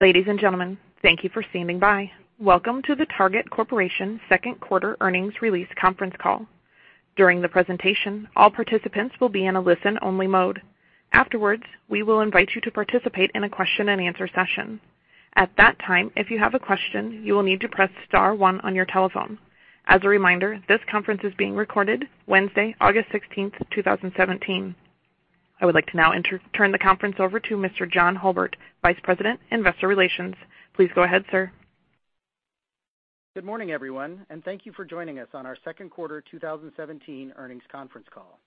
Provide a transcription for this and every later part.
Ladies and gentlemen, thank you for standing by. Welcome to the Target Corporation second quarter earnings release conference call. During the presentation, all participants will be in a listen only mode. Afterwards, we will invite you to participate in a question and answer session. At that time, if you have a question, you will need to press star one on your telephone. As a reminder, this conference is being recorded Wednesday, August 16th, 2017. I would like to now turn the conference over to Mr. John Hulbert, Vice President, Investor Relations. Please go ahead, sir. Good morning, everyone, and thank you for joining us on our second quarter 2017 earnings conference call.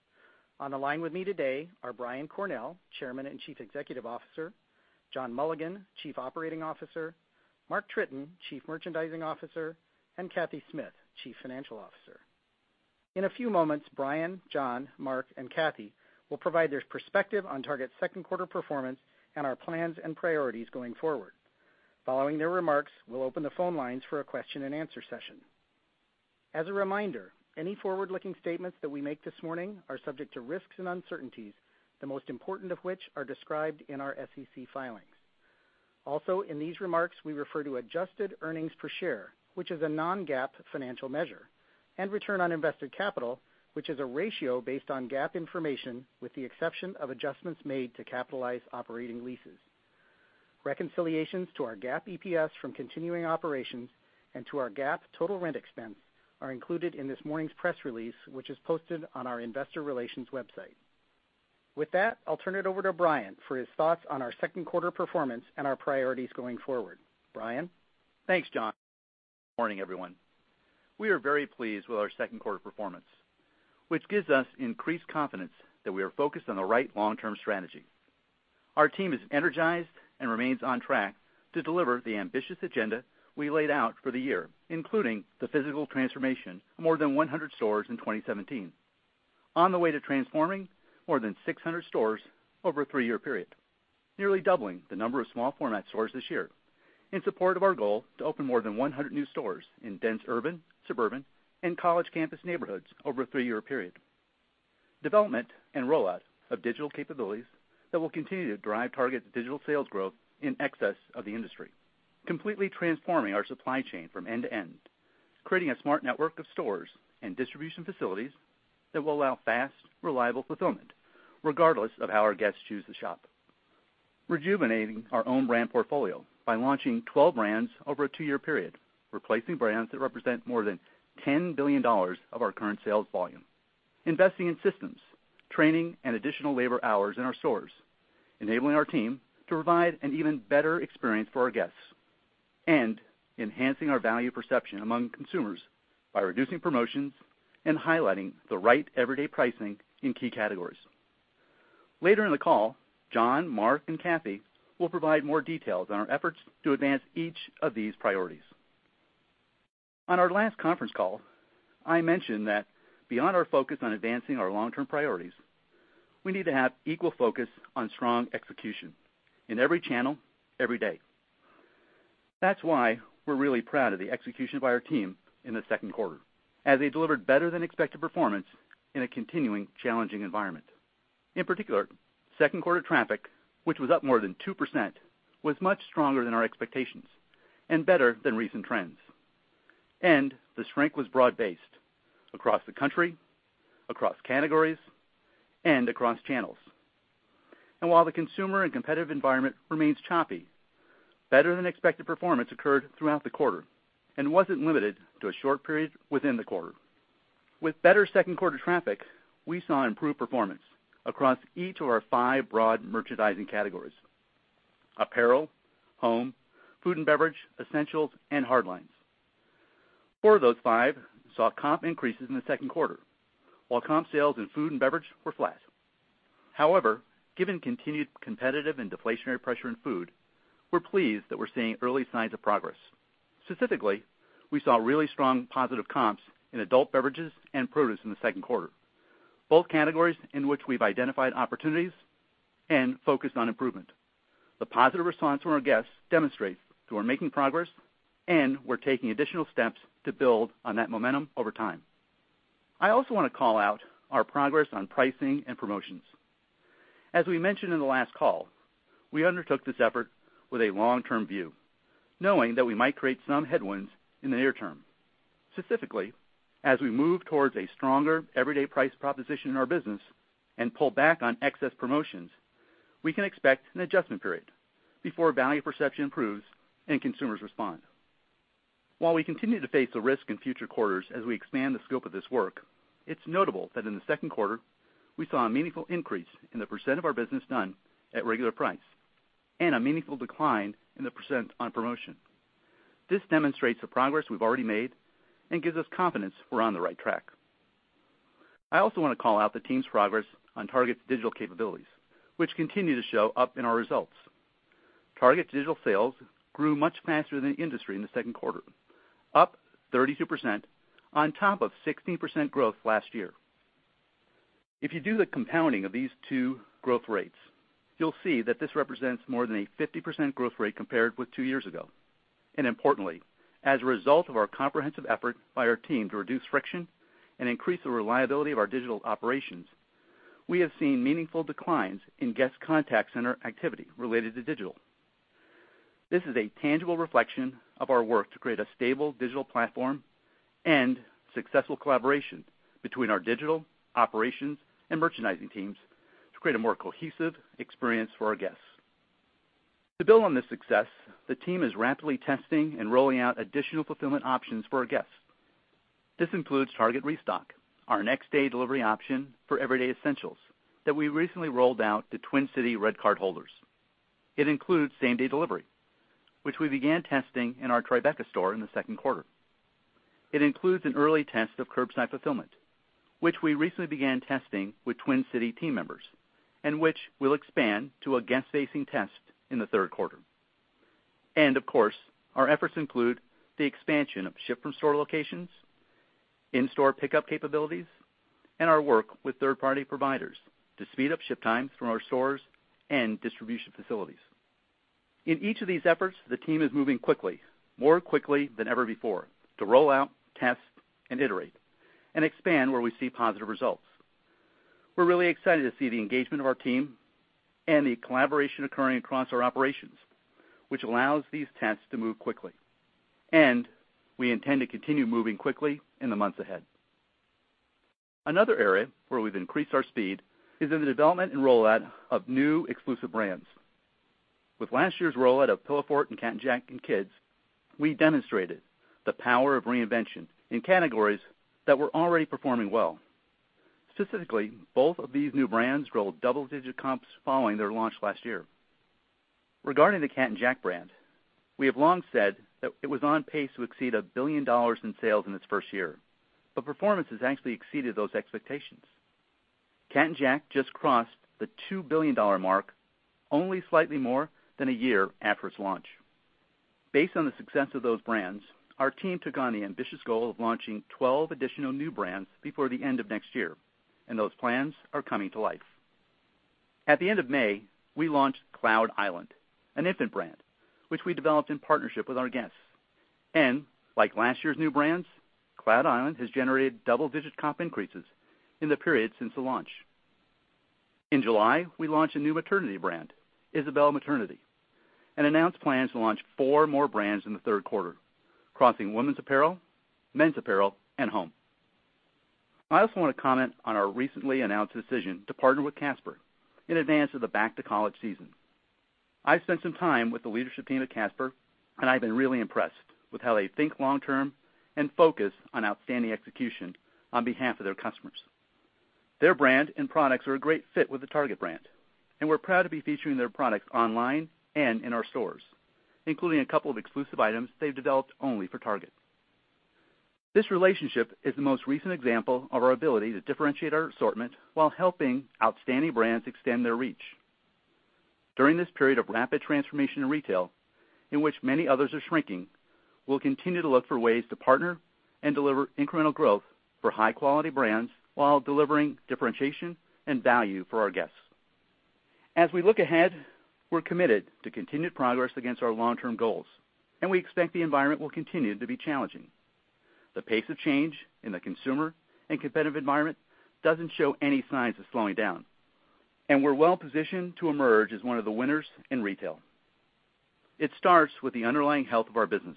On the line with me today are Brian Cornell, Chairman and Chief Executive Officer, John Mulligan, Chief Operating Officer, Mark Tritton, Chief Merchandising Officer, and Cathy Smith, Chief Financial Officer. In a few moments, Brian, John, Mark, and Cathy will provide their perspective on Target's second quarter performance and our plans and priorities going forward. Following their remarks, we'll open the phone lines for a question and answer session. As a reminder, any forward-looking statements that we make this morning are subject to risks and uncertainties, the most important of which are described in our SEC filings. In these remarks, we refer to adjusted earnings per share, which is a non-GAAP financial measure, and return on invested capital, which is a ratio based on GAAP information with the exception of adjustments made to capitalized operating leases. Reconciliations to our GAAP EPS from continuing operations and to our GAAP total rent expense are included in this morning's press release, which is posted on our investor relations website. With that, I'll turn it over to Brian for his thoughts on our second quarter performance and our priorities going forward. Brian? Thanks, John. Morning, everyone. We are very pleased with our second quarter performance, which gives us increased confidence that we are focused on the right long-term strategy. Our team is energized and remains on track to deliver the ambitious agenda we laid out for the year, including the physical transformation of more than 100 stores in 2017, on the way to transforming more than 600 stores over a three-year period. Nearly doubling the number of small format stores this year in support of our goal to open more than 100 new stores in dense urban, suburban, and college campus neighborhoods over a three-year period. Development and rollout of digital capabilities that will continue to drive Target's digital sales growth in excess of the industry. Completely transforming our supply chain from end to end, creating a smart network of stores and distribution facilities that will allow fast, reliable fulfillment regardless of how our guests choose to shop. Rejuvenating our own brand portfolio by launching 12 brands over a two-year period, replacing brands that represent more than $10 billion of our current sales volume. Investing in systems, training, and additional labor hours in our stores, enabling our team to provide an even better experience for our guests. Enhancing our value perception among consumers by reducing promotions and highlighting the right everyday pricing in key categories. Later in the call, John, Mark, and Cathy will provide more details on our efforts to advance each of these priorities. On our last conference call, I mentioned that beyond our focus on advancing our long-term priorities, we need to have equal focus on strong execution in every channel, every day. That's why we're really proud of the execution by our team in the second quarter as they delivered better than expected performance in a continuing challenging environment. In particular, second quarter traffic, which was up more than 2%, was much stronger than our expectations and better than recent trends. The strength was broad-based across the country, across categories, and across channels. While the consumer and competitive environment remains choppy, better than expected performance occurred throughout the quarter and wasn't limited to a short period within the quarter. With better second-quarter traffic, we saw improved performance across each of our 5 broad merchandising categories: apparel, home, food and beverage, essentials, and hard lines. Four of those five saw comp increases in the second quarter, while comp sales in food and beverage were flat. However, given continued competitive and deflationary pressure in food, we're pleased that we're seeing early signs of progress. Specifically, we saw really strong positive comps in adult beverages and produce in the second quarter, both categories in which we've identified opportunities and focused on improvement. The positive response from our guests demonstrates that we're making progress and we're taking additional steps to build on that momentum over time. I also want to call out our progress on pricing and promotions. As we mentioned in the last call, we undertook this effort with a long-term view, knowing that we might create some headwinds in the near term. Specifically, as we move towards a stronger everyday price proposition in our business and pull back on excess promotions, we can expect an adjustment period before value perception improves and consumers respond. While we continue to face the risk in future quarters as we expand the scope of this work, it's notable that in the second quarter, we saw a meaningful increase in the % of our business done at regular price and a meaningful decline in the % on promotion. This demonstrates the progress we've already made and gives us confidence we're on the right track. I also want to call out the team's progress on Target's digital capabilities, which continue to show up in our results. Target digital sales grew much faster than the industry in the second quarter, up 32% on top of 16% growth last year. If you do the compounding of these two growth rates, you'll see that this represents more than a 50% growth rate compared with two years ago. Importantly, as a result of our comprehensive effort by our team to reduce friction and increase the reliability of our digital operations. We have seen meaningful declines in guest contact center activity related to digital. This is a tangible reflection of our work to create a stable digital platform and successful collaboration between our digital, operations, and merchandising teams to create a more cohesive experience for our guests. To build on this success, the team is rapidly testing and rolling out additional fulfillment options for our guests. This includes Target Restock, our next-day delivery option for everyday essentials that we recently rolled out to Twin Cities RedCard holders. It includes same-day delivery, which we began testing in our Tribeca store in the second quarter. It includes an early test of curbside fulfillment, which we recently began testing with Twin Cities team members, and which we'll expand to a guest-facing test in the third quarter. Of course, our efforts include the expansion of ship-from-store locations, in-store pickup capabilities, and our work with third-party providers to speed up ship times from our stores and distribution facilities. In each of these efforts, the team is moving quickly, more quickly than ever before, to roll out, test, and iterate and expand where we see positive results. We're really excited to see the engagement of our team and the collaboration occurring across our operations, which allows these tests to move quickly. We intend to continue moving quickly in the months ahead. Another area where we've increased our speed is in the development and rollout of new exclusive brands. With last year's rollout of Pillowfort and Cat & Jack and Kids, we demonstrated the power of reinvention in categories that were already performing well. Specifically, both of these new brands rolled double-digit comps following their launch last year. Regarding the Cat & Jack brand, we have long said that it was on pace to exceed $1 billion in sales in its first year. Performance has actually exceeded those expectations. Cat & Jack just crossed the $2 billion mark only slightly more than a year after its launch. Based on the success of those brands, our team took on the ambitious goal of launching 12 additional new brands before the end of next year. Those plans are coming to life. At the end of May, we launched Cloud Island, an infant brand which we developed in partnership with our guests. Like last year's new brands, Cloud Island has generated double-digit comp increases in the period since the launch. In July, we launched a new maternity brand, Isabel Maternity, and announced plans to launch four more brands in the third quarter, crossing women's apparel, men's apparel, and home. I also want to comment on our recently announced decision to partner with Casper in advance of the back-to-college season. I've spent some time with the leadership team at Casper, I've been really impressed with how they think long term and focus on outstanding execution on behalf of their customers. Their brand and products are a great fit with the Target brand, we're proud to be featuring their products online and in our stores, including a couple of exclusive items they've developed only for Target. This relationship is the most recent example of our ability to differentiate our assortment while helping outstanding brands extend their reach. During this period of rapid transformation in retail, in which many others are shrinking, we'll continue to look for ways to partner and deliver incremental growth for high-quality brands while delivering differentiation and value for our guests. As we look ahead, we're committed to continued progress against our long-term goals, we expect the environment will continue to be challenging. The pace of change in the consumer and competitive environment doesn't show any signs of slowing down, we're well positioned to emerge as one of the winners in retail. It starts with the underlying health of our business,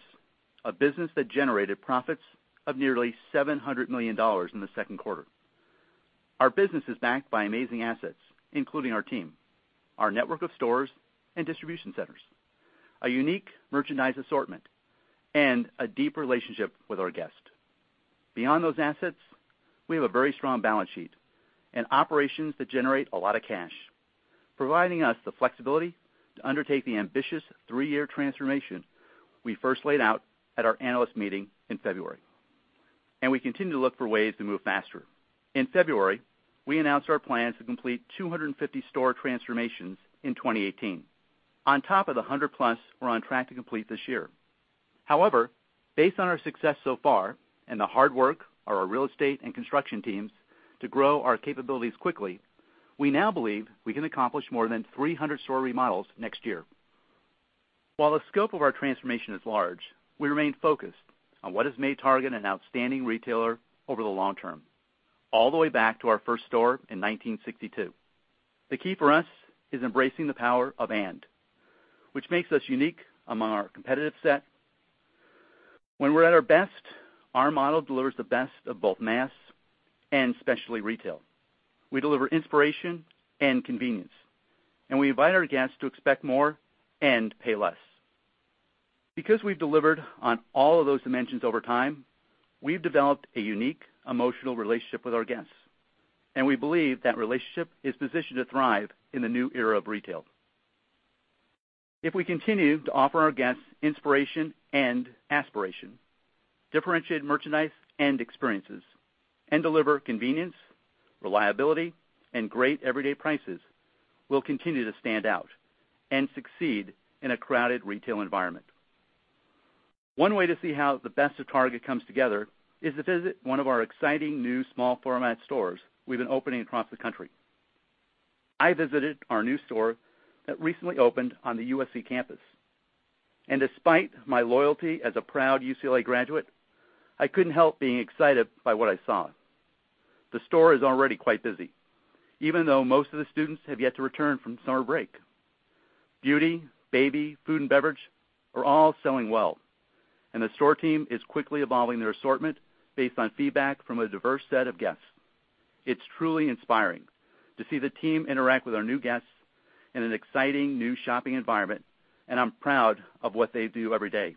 a business that generated profits of nearly $700 million in the second quarter. Our business is backed by amazing assets, including our team, our network of stores and distribution centers, a unique merchandise assortment, and a deep relationship with our guests. Beyond those assets, we have a very strong balance sheet and operations that generate a lot of cash, providing us the flexibility to undertake the ambitious three-year transformation we first laid out at our analyst meeting in February, we continue to look for ways to move faster. In February, we announced our plans to complete 250 store transformations in 2018, on top of the 100-plus we're on track to complete this year. However, based on our success so far and the hard work of our real estate and construction teams to grow our capabilities quickly, we now believe we can accomplish more than 300 store remodels next year. While the scope of our transformation is large, we remain focused on what has made Target an outstanding retailer over the long term, all the way back to our first store in 1962. The key for us is embracing the power of "and," which makes us unique among our competitive set. When we're at our best, our model delivers the best of both mass and specialty retail. We deliver inspiration and convenience, we invite our guests to expect more and pay less. Because we've delivered on all of those dimensions over time, we've developed a unique emotional relationship with our guests, we believe that relationship is positioned to thrive in the new era of retail. If we continue to offer our guests inspiration and aspiration, differentiate merchandise and experiences, and deliver convenience, reliability, and great everyday prices, we'll continue to stand out and succeed in a crowded retail environment. One way to see how the best of Target comes together is to visit one of our exciting new small format stores we've been opening across the country. I visited our new store that recently opened on the USC campus. Despite my loyalty as a proud UCLA graduate, I couldn't help being excited by what I saw. The store is already quite busy, even though most of the students have yet to return from summer break. Beauty, baby, food and beverage are all selling well, and the store team is quickly evolving their assortment based on feedback from a diverse set of guests. It's truly inspiring to see the team interact with our new guests in an exciting new shopping environment, and I'm proud of what they do every day.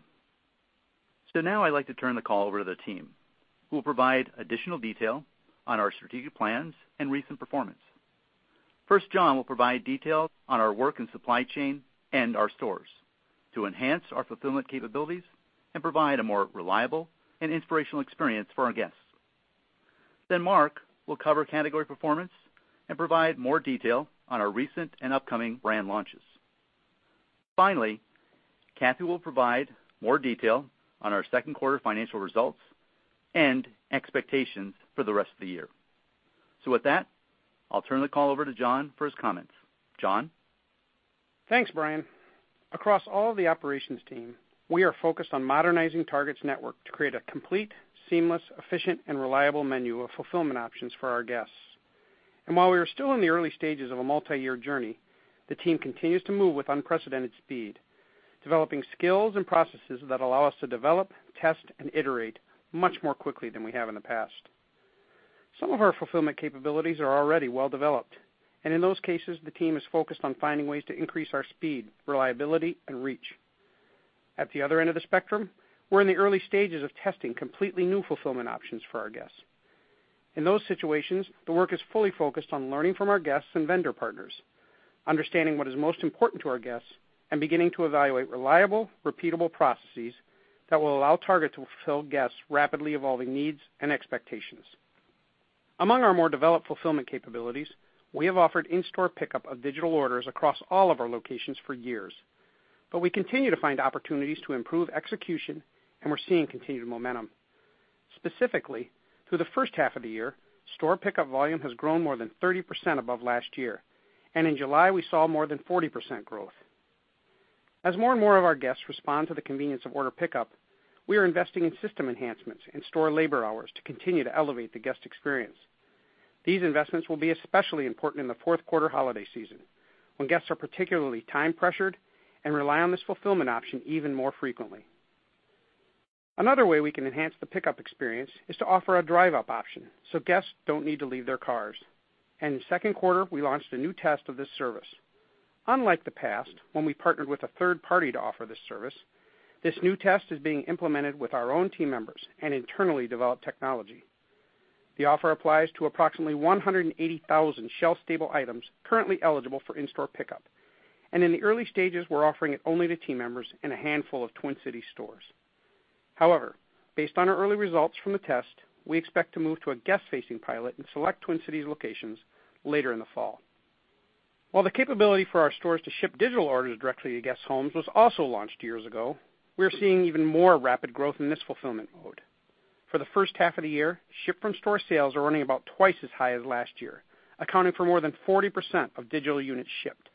Now I'd like to turn the call over to the team, who will provide additional detail on our strategic plans and recent performance. First, John will provide details on our work in supply chain and our stores to enhance our fulfillment capabilities and provide a more reliable and inspirational experience for our guests. Then Mark will cover category performance and provide more detail on our recent and upcoming brand launches. Finally, Cathy will provide more detail on our second quarter financial results and expectations for the rest of the year. With that, I'll turn the call over to John for his comments. John? Thanks, Brian. Across all the operations team, we are focused on modernizing Target's network to create a complete, seamless, efficient, and reliable menu of fulfillment options for our guests. While we are still in the early stages of a multi-year journey, the team continues to move with unprecedented speed, developing skills and processes that allow us to develop, test, and iterate much more quickly than we have in the past. Some of our fulfillment capabilities are already well-developed, and in those cases, the team is focused on finding ways to increase our speed, reliability, and reach. At the other end of the spectrum, we're in the early stages of testing completely new fulfillment options for our guests. In those situations, the work is fully focused on learning from our guests and vendor partners, understanding what is most important to our guests, and beginning to evaluate reliable, repeatable processes that will allow Target to fulfill guests' rapidly evolving needs and expectations. Among our more developed fulfillment capabilities, we have offered in-store pickup of digital orders across all of our locations for years. We continue to find opportunities to improve execution, and we're seeing continued momentum. Specifically, through the first half of the year, store pickup volume has grown more than 30% above last year. In July, we saw more than 40% growth. As more and more of our guests respond to the convenience of order pickup, we are investing in system enhancements and store labor hours to continue to elevate the guest experience. These investments will be especially important in the fourth quarter holiday season, when guests are particularly time-pressured and rely on this fulfillment option even more frequently. Another way we can enhance the pickup experience is to offer a drive-up option so guests don't need to leave their cars. In the second quarter, we launched a new test of this service. Unlike the past, when we partnered with a third party to offer this service, this new test is being implemented with our own team members and internally developed technology. The offer applies to approximately 180,000 shelf-stable items currently eligible for in-store pickup. In the early stages, we're offering it only to team members in a handful of Twin Cities stores. However, based on our early results from the test, we expect to move to a guest-facing pilot in select Twin Cities locations later in the fall. While the capability for our stores to ship digital orders directly to guests' homes was also launched years ago, we're seeing even more rapid growth in this fulfillment mode. For the first half of the year, ship-from-store sales are running about twice as high as last year, accounting for more than 40% of digital units shipped.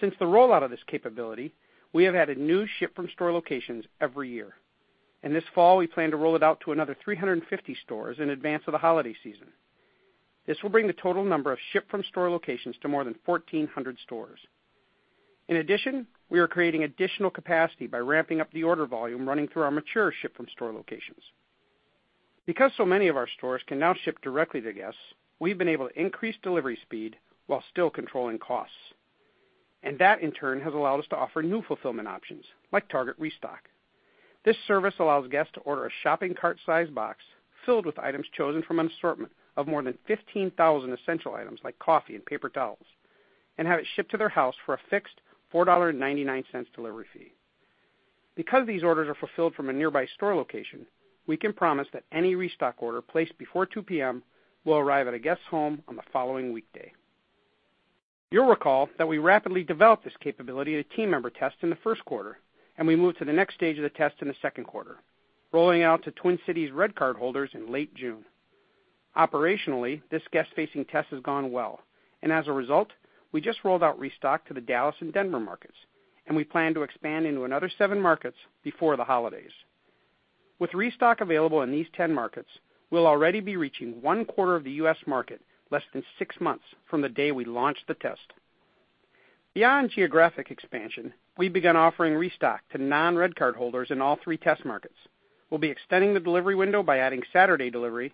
Since the rollout of this capability, we have added new ship-from-store locations every year. This fall, we plan to roll it out to another 350 stores in advance of the holiday season. This will bring the total number of ship-from-store locations to more than 1,400 stores. In addition, we are creating additional capacity by ramping up the order volume running through our mature ship-from-store locations. Because so many of our stores can now ship directly to guests, we've been able to increase delivery speed while still controlling costs. That, in turn, has allowed us to offer new fulfillment options, like Target Restock. This service allows guests to order a shopping cart-sized box filled with items chosen from an assortment of more than 15,000 essential items, like coffee and paper towels, and have it shipped to their house for a fixed $4.99 delivery fee. Because these orders are fulfilled from a nearby store location, we can promise that any Restock order placed before 2 P.M. will arrive at a guest's home on the following weekday. You'll recall that we rapidly developed this capability at a team member test in the first quarter, and we moved to the next stage of the test in the second quarter, rolling out to Twin Cities RedCard holders in late June. Operationally, this guest-facing test has gone well. As a result, we just rolled out Restock to the Dallas and Denver markets, and we plan to expand into another seven markets before the holidays. With Restock available in these 10 markets, we'll already be reaching one quarter of the U.S. market less than six months from the day we launched the test. Beyond geographic expansion, we've begun offering Restock to non-RedCard holders in all three test markets. We'll be extending the delivery window by adding Saturday delivery,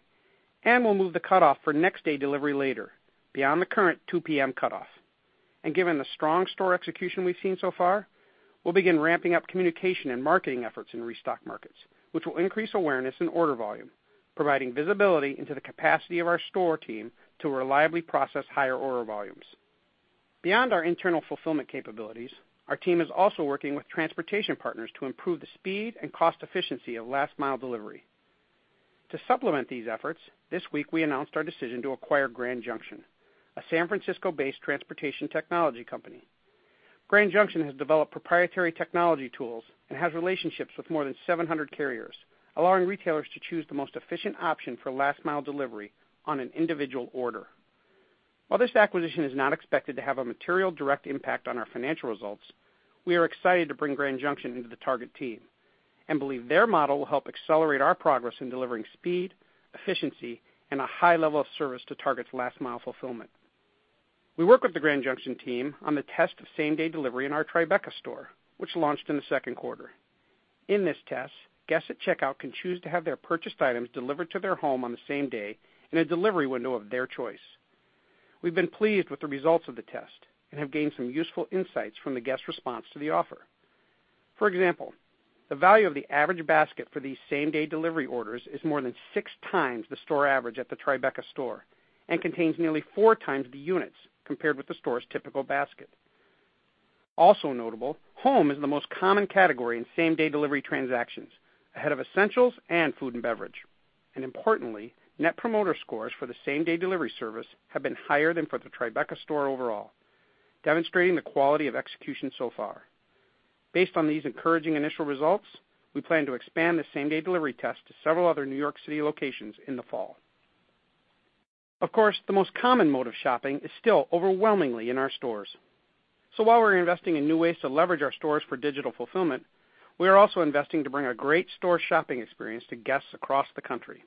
and we'll move the cutoff for next-day delivery later, beyond the current 2 P.M. cutoff. Given the strong store execution we've seen so far, we'll begin ramping up communication and marketing efforts in Restock markets, which will increase awareness and order volume, providing visibility into the capacity of our store team to reliably process higher order volumes. Beyond our internal fulfillment capabilities, our team is also working with transportation partners to improve the speed and cost efficiency of last-mile delivery. To supplement these efforts, this week we announced our decision to acquire Grand Junction, a San Francisco-based transportation technology company. Grand Junction has developed proprietary technology tools and has relationships with more than 700 carriers, allowing retailers to choose the most efficient option for last-mile delivery on an individual order. While this acquisition is not expected to have a material direct impact on our financial results, we are excited to bring Grand Junction into the Target team and believe their model will help accelerate our progress in delivering speed, efficiency, and a high level of service to Target's last mile fulfillment. We work with the Grand Junction team on the test of same-day delivery in our Tribeca store, which launched in the second quarter. In this test, guests at checkout can choose to have their purchased items delivered to their home on the same day in a delivery window of their choice. We've been pleased with the results of the test and have gained some useful insights from the guest response to the offer. For example, the value of the average basket for these same-day delivery orders is more than six times the store average at the Tribeca store and contains nearly four times the units compared with the store's typical basket. Also notable, home is the most common category in same-day delivery transactions, ahead of essentials and food and beverage. Importantly, net promoter scores for the same-day delivery service have been higher than for the Tribeca store overall, demonstrating the quality of execution so far. Based on these encouraging initial results, we plan to expand the same-day delivery test to several other New York City locations in the fall. Of course, the most common mode of shopping is still overwhelmingly in our stores. While we're investing in new ways to leverage our stores for digital fulfillment, we are also investing to bring a great store shopping experience to guests across the country.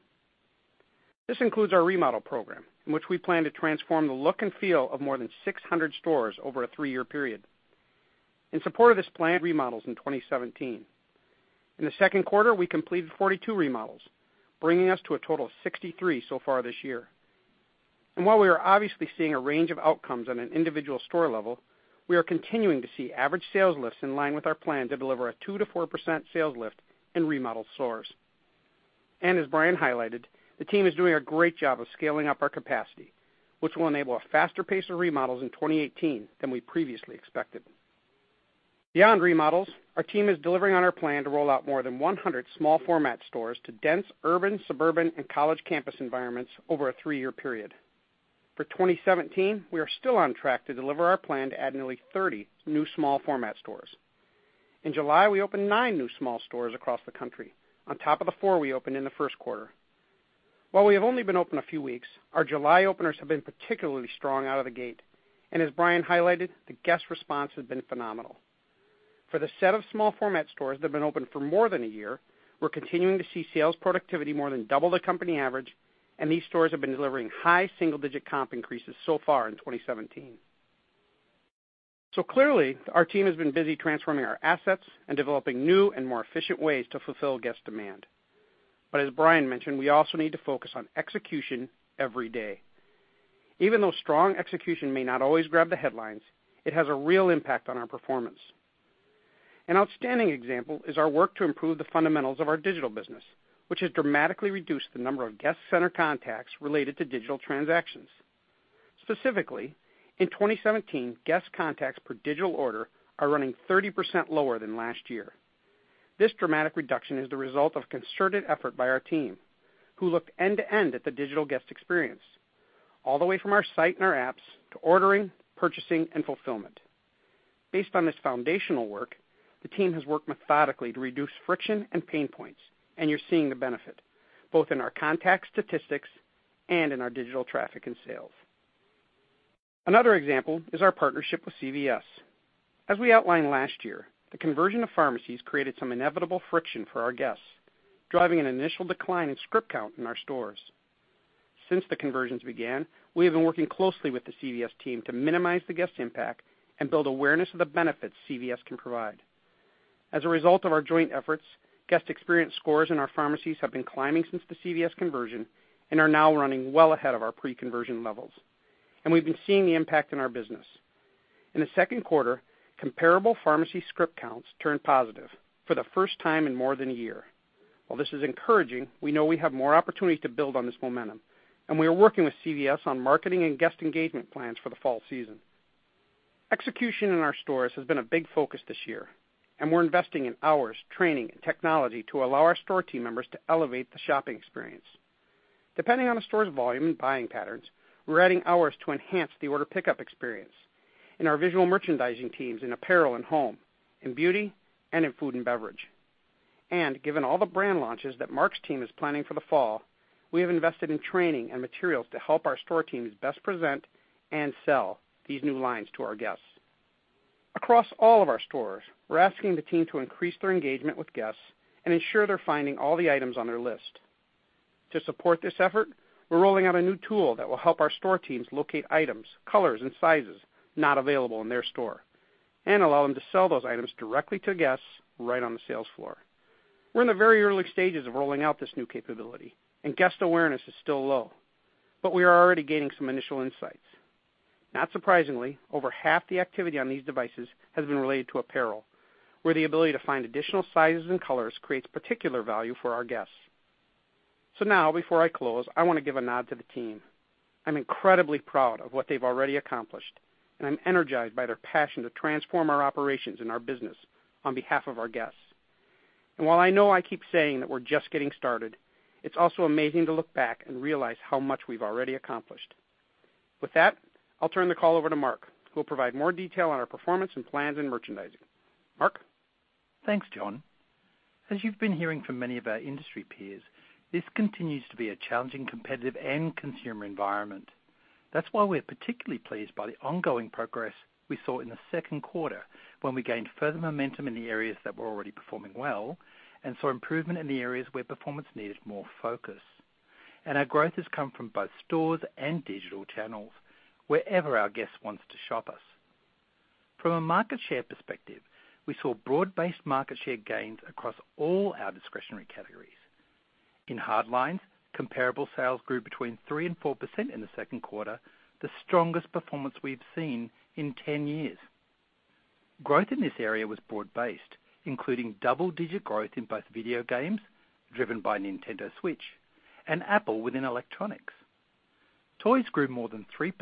This includes our remodel program, in which we plan to transform the look and feel of more than 600 stores over a three-year period. In support of this plan, remodels in 2017. In the second quarter, we completed 42 remodels, bringing us to a total of 63 so far this year. While we are obviously seeing a range of outcomes on an individual store level, we are continuing to see average sales lifts in line with our plan to deliver a 2%-4% sales lift in remodeled stores. As Brian highlighted, the team is doing a great job of scaling up our capacity, which will enable a faster pace of remodels in 2018 than we previously expected. Beyond remodels, our team is delivering on our plan to roll out more than 100 small format stores to dense urban, suburban, and college campus environments over a three-year period. For 2017, we are still on track to deliver our plan to add nearly 30 new small format stores. In July, we opened nine new small stores across the country on top of the four we opened in the first quarter. While we have only been open a few weeks, our July openers have been particularly strong out of the gate, and as Brian highlighted, the guest response has been phenomenal. For the set of small format stores that have been open for more than a year, we're continuing to see sales productivity more than double the company average, and these stores have been delivering high single-digit comp increases so far in 2017. Clearly, our team has been busy transforming our assets and developing new and more efficient ways to fulfill guest demand. As Brian mentioned, we also need to focus on execution every day. Even though strong execution may not always grab the headlines, it has a real impact on our performance. An outstanding example is our work to improve the fundamentals of our digital business, which has dramatically reduced the number of guest center contacts related to digital transactions. Specifically, in 2017, guest contacts per digital order are running 30% lower than last year. This dramatic reduction is the result of concerted effort by our team, who looked end-to-end at the digital guest experience, all the way from our site and our apps to ordering, purchasing, and fulfillment. Based on this foundational work, the team has worked methodically to reduce friction and pain points, and you're seeing the benefit, both in our contact statistics and in our digital traffic and sales. Another example is our partnership with CVS. As we outlined last year, the conversion of pharmacies created some inevitable friction for our guests, driving an initial decline in script count in our stores. Since the conversions began, we have been working closely with the CVS team to minimize the guest impact and build awareness of the benefits CVS can provide. As a result of our joint efforts, guest experience scores in our pharmacies have been climbing since the CVS conversion and are now running well ahead of our pre-conversion levels. We've been seeing the impact in our business. In the second quarter, comparable pharmacy script counts turned positive for the first time in more than a year. While this is encouraging, we know we have more opportunities to build on this momentum, and we are working with CVS on marketing and guest engagement plans for the fall season. Execution in our stores has been a big focus this year, and we're investing in hours, training, and technology to allow our store team members to elevate the shopping experience. Depending on a store's volume and buying patterns, we're adding hours to enhance the order pickup experience in our visual merchandising teams in apparel and home, in beauty, and in food and beverage. Given all the brand launches that Mark's team is planning for the fall, we have invested in training and materials to help our store teams best present and sell these new lines to our guests. Across all of our stores, we're asking the team to increase their engagement with guests and ensure they're finding all the items on their list. To support this effort, we're rolling out a new tool that will help our store teams locate items, colors, and sizes not available in their store and allow them to sell those items directly to guests right on the sales floor. We're in the very early stages of rolling out this new capability, and guest awareness is still low, but we are already gaining some initial insights. Not surprisingly, over half the activity on these devices has been related to apparel, where the ability to find additional sizes and colors creates particular value for our guests. Now, before I close, I want to give a nod to the team. I'm incredibly proud of what they've already accomplished, and I'm energized by their passion to transform our operations and our business on behalf of our guests. While I know I keep saying that we're just getting started, it's also amazing to look back and realize how much we've already accomplished. With that, I'll turn the call over to Mark, who will provide more detail on our performance and plans in merchandising. Mark? Thanks, John. As you've been hearing from many of our industry peers, this continues to be a challenging competitive and consumer environment. That's why we're particularly pleased by the ongoing progress we saw in the second quarter, when we gained further momentum in the areas that were already performing well, and saw improvement in the areas where performance needed more focus. Our growth has come from both stores and digital channels, wherever our guest wants to shop us. From a market share perspective, we saw broad-based market share gains across all our discretionary categories. In hard lines, comparable sales grew between 3% and 4% in the second quarter, the strongest performance we've seen in 10 years. Growth in this area was broad-based, including double-digit growth in both video games, driven by Nintendo Switch, and Apple within electronics. Toys grew more than 3%,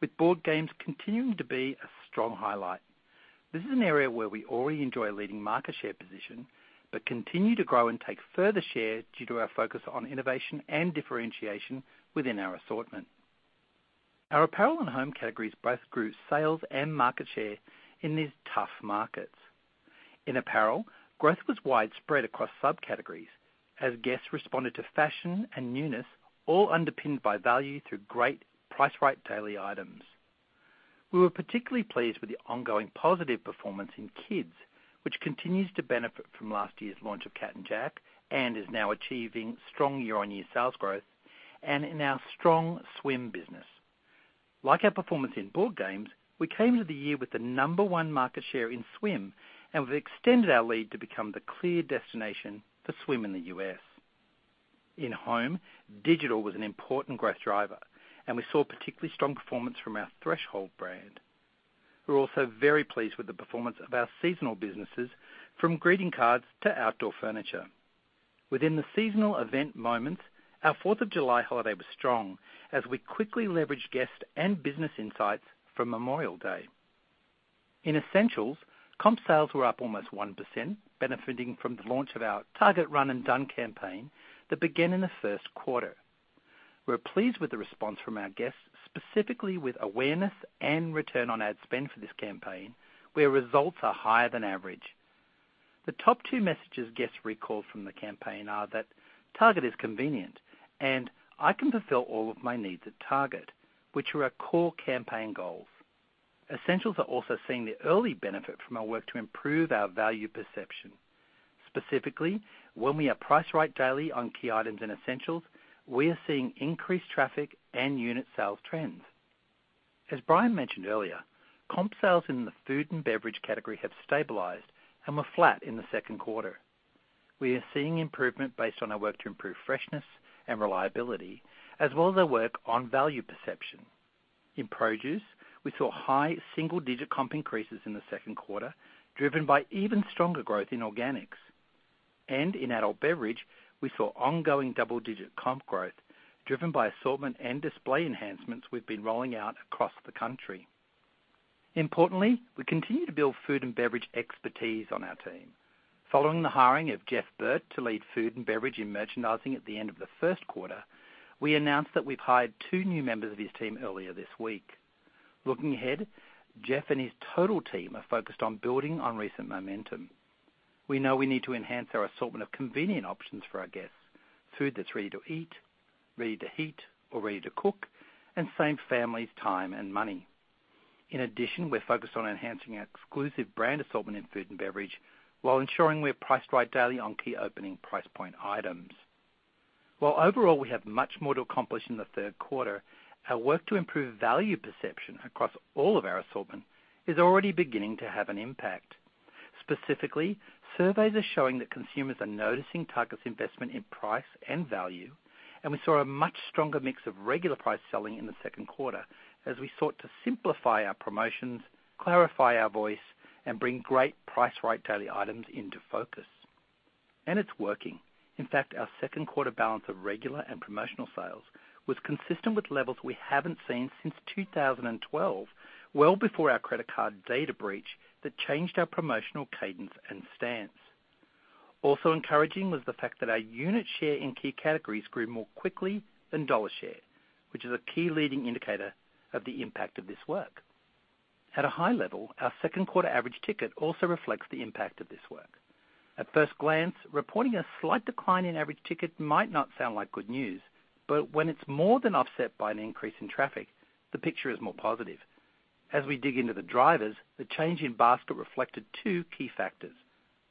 with board games continuing to be a strong highlight. This is an area where we already enjoy a leading market share position, but continue to grow and take further share due to our focus on innovation and differentiation within our assortment. Our apparel and home categories both grew sales and market share in these tough markets. In apparel, growth was widespread across subcategories as guests responded to fashion and newness, all underpinned by value through great price right daily items. We were particularly pleased with the ongoing positive performance in kids, which continues to benefit from last year's launch of Cat & Jack, and is now achieving strong year-on-year sales growth, and in our strong swim business. Like our performance in board games, we came to the year with the number one market share in swim, and we've extended our lead to become the clear destination for swim in the U.S. In home, digital was an important growth driver, and we saw particularly strong performance from our Threshold brand. We're also very pleased with the performance of our seasonal businesses, from greeting cards to outdoor furniture. Within the seasonal event moments, our Fourth of July holiday was strong, as we quickly leveraged guest and business insights from Memorial Day. In essentials, comp sales were up almost 1%, benefiting from the launch of our Target Run & Done campaign that began in the first quarter. We're pleased with the response from our guests, specifically with awareness and return on ad spend for this campaign, where results are higher than average. The top two messages guests recall from the campaign are that Target is convenient, and I can fulfill all of my needs at Target, which are our core campaign goals. Essentials are also seeing the early benefit from our work to improve our value perception. Specifically, when we are priced right daily on key items and essentials, we are seeing increased traffic and unit sales trends. As Brian mentioned earlier, comp sales in the food and beverage category have stabilized and were flat in the second quarter. We are seeing improvement based on our work to improve freshness and reliability, as well as our work on value perception. In produce, we saw high single-digit comp increases in the second quarter, driven by even stronger growth in organics. In adult beverage, we saw ongoing double-digit comp growth, driven by assortment and display enhancements we've been rolling out across the country. Importantly, we continue to build food and beverage expertise on our team. Following the hiring of Jeff Burt to lead food and beverage and merchandising at the end of the first quarter, we announced that we've hired two new members of his team earlier this week. Looking ahead, Jeff and his total team are focused on building on recent momentum. We know we need to enhance our assortment of convenient options for our guests, food that's ready to eat, ready to heat, or ready to cook, and save families time and money. In addition, we're focused on enhancing our exclusive brand assortment in food and beverage while ensuring we're priced right daily on key opening price point items. While overall we have much more to accomplish in the third quarter, our work to improve value perception across all of our assortment is already beginning to have an impact. Specifically, surveys are showing that consumers are noticing Target's investment in price and value, we saw a much stronger mix of regular price selling in the second quarter as we sought to simplify our promotions, clarify our voice, and bring great price right daily items into focus. It's working. In fact, our second quarter balance of regular and promotional sales was consistent with levels we haven't seen since 2012, well before our credit card data breach that changed our promotional cadence and stance. Also encouraging was the fact that our unit share in key categories grew more quickly than dollar share, which is a key leading indicator of the impact of this work. At a high level, our second quarter average ticket also reflects the impact of this work. At first glance, reporting a slight decline in average ticket might not sound like good news, but when it's more than offset by an increase in traffic, the picture is more positive. As we dig into the drivers, the change in basket reflected two key factors.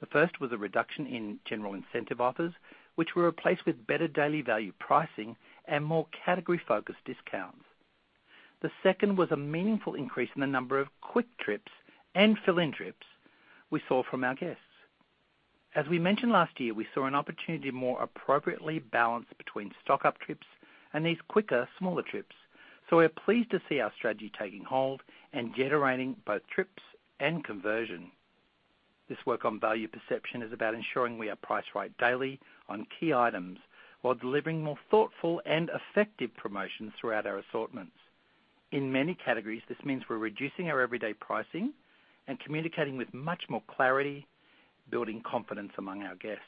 The first was a reduction in general incentive offers, which were replaced with better daily value pricing and more category-focused discounts. The second was a meaningful increase in the number of quick trips and fill-in trips we saw from our guests. As we mentioned last year, we saw an opportunity more appropriately balanced between stock-up trips and these quicker, smaller trips. We're pleased to see our strategy taking hold and generating both trips and conversion. This work on value perception is about ensuring we are priced right daily on key items while delivering more thoughtful and effective promotions throughout our assortments. In many categories, this means we're reducing our everyday pricing and communicating with much more clarity, building confidence among our guests.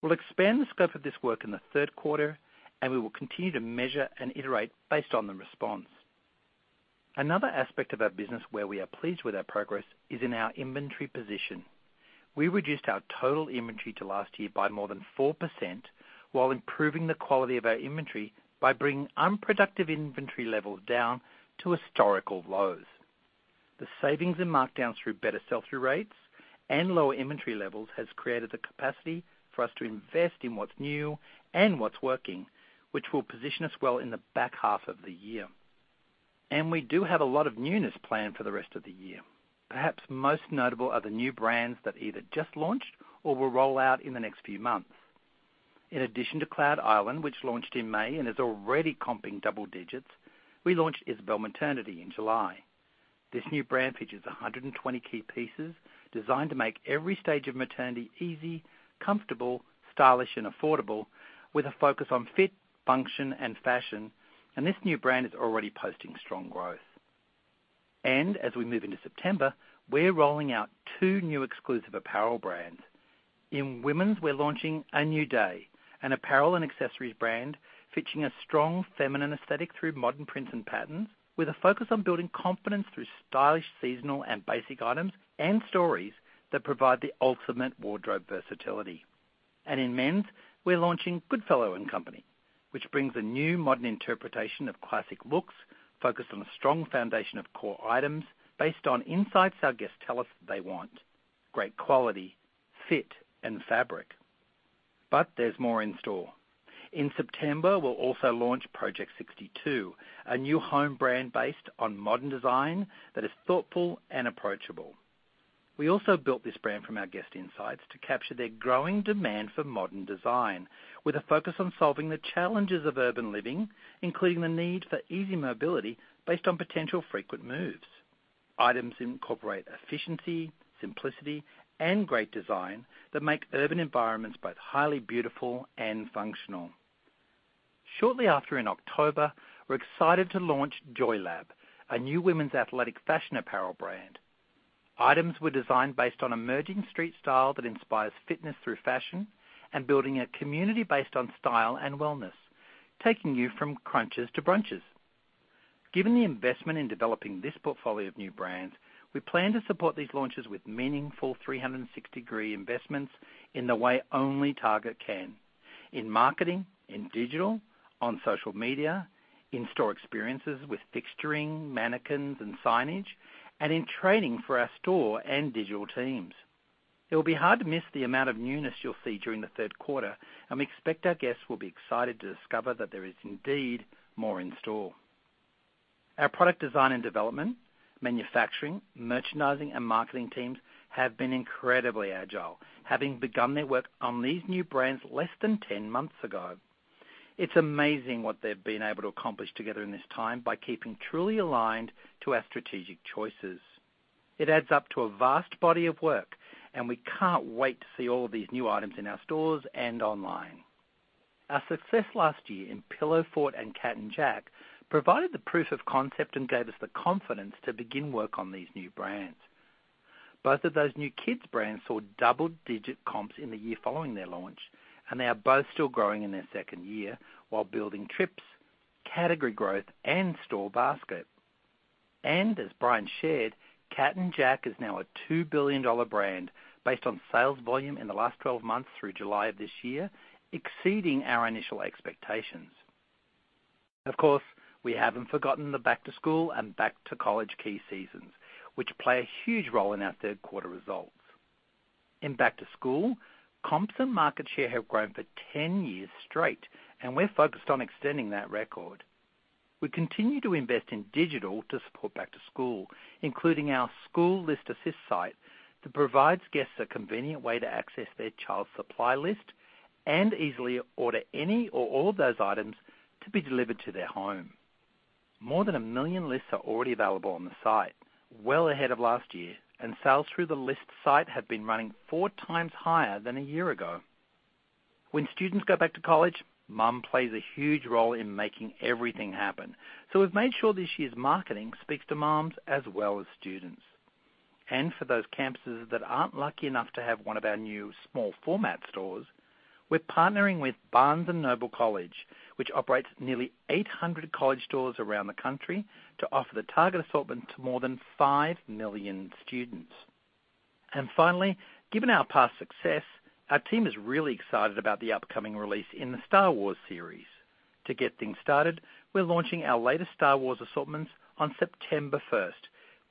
We'll expand the scope of this work in the third quarter. We will continue to measure and iterate based on the response. Another aspect of our business where we are pleased with our progress is in our inventory position. We reduced our total inventory to last year by more than 4%, while improving the quality of our inventory by bringing unproductive inventory levels down to historical lows. The savings in markdowns through better sell-through rates and lower inventory levels has created the capacity for us to invest in what's new and what's working, which will position us well in the back half of the year. We do have a lot of newness planned for the rest of the year. Perhaps most notable are the new brands that either just launched or will roll out in the next few months. In addition to Cloud Island, which launched in May and is already comping double digits, we launched Isabel Maternity in July. This new brand features 120 key pieces designed to make every stage of maternity easy, comfortable, stylish, and affordable, with a focus on fit, function, and fashion. This new brand is already posting strong growth. As we move into September, we're rolling out two new exclusive apparel brands. In women's, we're launching A New Day, an apparel and accessories brand featuring a strong feminine aesthetic through modern prints and patterns, with a focus on building confidence through stylish, seasonal, and basic items, and stories that provide the ultimate wardrobe versatility. In men's, we're launching Goodfellow & Co., which brings a new modern interpretation of classic looks, focused on a strong foundation of core items based on insights our guests tell us they want, great quality, fit, and fabric. There's more in store. In September, we'll also launch Project 62, a new home brand based on modern design that is thoughtful and approachable. We also built this brand from our guest insights to capture their growing demand for modern design, with a focus on solving the challenges of urban living, including the need for easy mobility based on potential frequent moves. Items incorporate efficiency, simplicity, and great design that make urban environments both highly beautiful and functional. Shortly after in October, we're excited to launch JoyLab, a new women's athletic fashion apparel brand. Items were designed based on emerging street style that inspires fitness through fashion and building a community based on style and wellness, taking you from crunches to brunches. Given the investment in developing this portfolio of new brands, we plan to support these launches with meaningful 360-degree investments in the way only Target can. In marketing, in digital, on social media, in store experiences with fixturing, mannequins, and signage, and in training for our store and digital teams. It will be hard to miss the amount of newness you'll see during the third quarter. We expect our guests will be excited to discover that there is indeed more in store. Our product design and development, manufacturing, merchandising, and marketing teams have been incredibly agile, having begun their work on these new brands less than 10 months ago. It's amazing what they've been able to accomplish together in this time by keeping truly aligned to our strategic choices. It adds up to a vast body of work, we can't wait to see all of these new items in our stores and online. Our success last year in Pillowfort and Cat & Jack provided the proof of concept and gave us the confidence to begin work on these new brands. Both of those new kids brands saw double-digit comps in the year following their launch, they are both still growing in their second year while building trips, category growth, and store basket. As Brian shared, Cat & Jack is now a $2 billion brand based on sales volume in the last 12 months through July of this year, exceeding our initial expectations. Of course, we haven't forgotten the back-to-school and back-to-college key seasons, which play a huge role in our third quarter results. In back to school, comps and market share have grown for 10 years straight, we're focused on extending that record. We continue to invest in digital to support back to school, including our School List Assist site that provides guests a convenient way to access their child's supply list and easily order any or all of those items to be delivered to their home. More than a million lists are already available on the site, well ahead of last year, sales through the list site have been running four times higher than a year ago. When students go back to college, mom plays a huge role in making everything happen. We've made sure this year's marketing speaks to moms as well as students. For those campuses that aren't lucky enough to have one of our new small format stores, we're partnering with Barnes & Noble College, which operates nearly 800 college stores around the country, to offer the Target assortment to more than 5 million students. Finally, given our past success, our team is really excited about the upcoming release in the Star Wars series. To get things started, we're launching our latest Star Wars assortments on September 1st,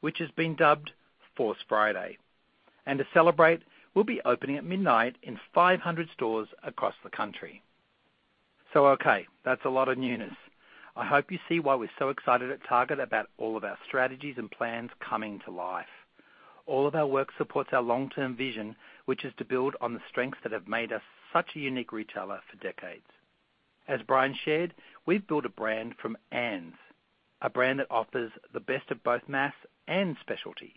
which has been dubbed Force Friday. To celebrate, we'll be opening at midnight in 500 stores across the country. Okay, that's a lot of newness. I hope you see why we're so excited at Target about all of our strategies and plans coming to life. All of our work supports our long-term vision, which is to build on the strengths that have made us such a unique retailer for decades. As Brian shared, we've built a brand from ands, a brand that offers the best of both mass and specialty.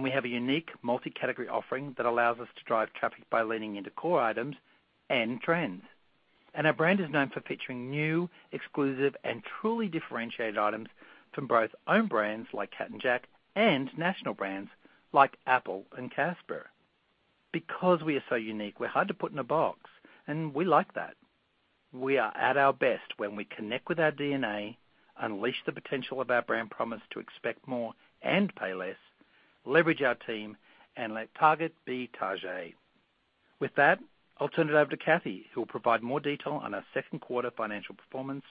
We have a unique multi-category offering that allows us to drive traffic by leaning into core items and trends. Our brand is known for featuring new, exclusive, and truly differentiated items from both own brands like Cat & Jack, and national brands like Apple and Casper. Because we are so unique, we're hard to put in a box, and we like that. We are at our best when we connect with our DNA, unleash the potential of our brand promise to expect more and pay less, leverage our team, and let Target be Target. With that, I'll turn it over to Cathy, who will provide more detail on our second quarter financial performance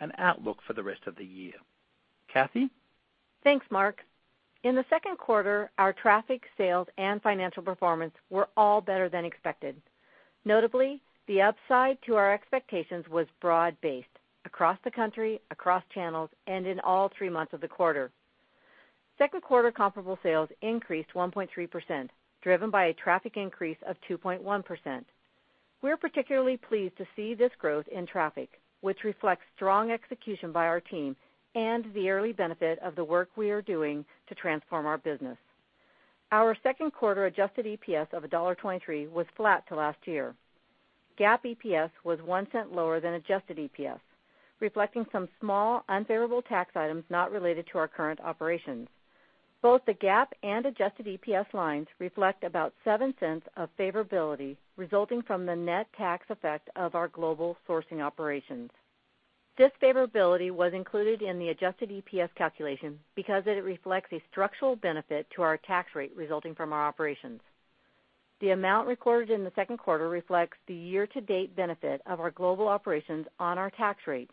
and outlook for the rest of the year. Cathy? Thanks, Mark. In the second quarter, our traffic, sales, and financial performance were all better than expected. Notably, the upside to our expectations was broad-based across the country, across channels, and in all three months of the quarter. Second quarter comparable sales increased 1.3%, driven by a traffic increase of 2.1%. We are particularly pleased to see this growth in traffic, which reflects strong execution by our team and the early benefit of the work we are doing to transform our business. Our second quarter adjusted EPS of $1.23 was flat to last year. GAAP EPS was $0.01 lower than adjusted EPS, reflecting some small unfavorable tax items not related to our current operations. Both the GAAP and adjusted EPS lines reflect about $0.07 of favorability, resulting from the net tax effect of our global sourcing operations. This favorability was included in the adjusted EPS calculation because it reflects a structural benefit to our tax rate resulting from our operations. The amount recorded in the second quarter reflects the year-to-date benefit of our global operations on our tax rate,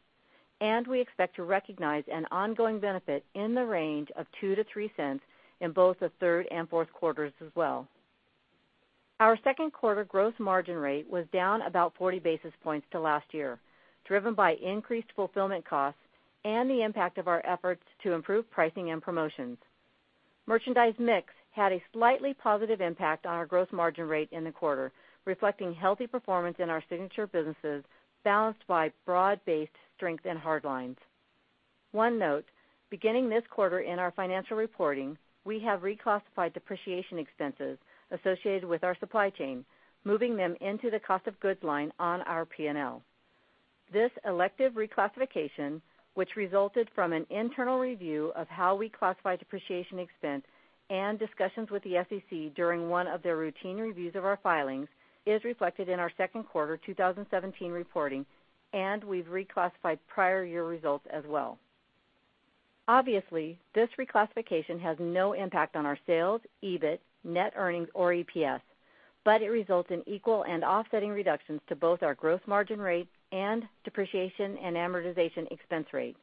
and we expect to recognize an ongoing benefit in the range of $0.02 to $0.03 in both the third and fourth quarters as well. Our second quarter gross margin rate was down about 40 basis points to last year, driven by increased fulfillment costs and the impact of our efforts to improve pricing and promotions. Merchandise mix had a slightly positive impact on our gross margin rate in the quarter, reflecting healthy performance in our signature businesses, balanced by broad-based strength and hard lines. One note, beginning this quarter in our financial reporting, we have reclassified depreciation expenses associated with our supply chain, moving them into the cost of goods line on our P&L. This elective reclassification, which resulted from an internal review of how we classify depreciation expense and discussions with the SEC during one of their routine reviews of our filings, is reflected in our second quarter 2017 reporting, and we've reclassified prior year results as well. Obviously, this reclassification has no impact on our sales, EBIT, net earnings, or EPS, but it results in equal and offsetting reductions to both our gross margin rate and depreciation and amortization expense rate.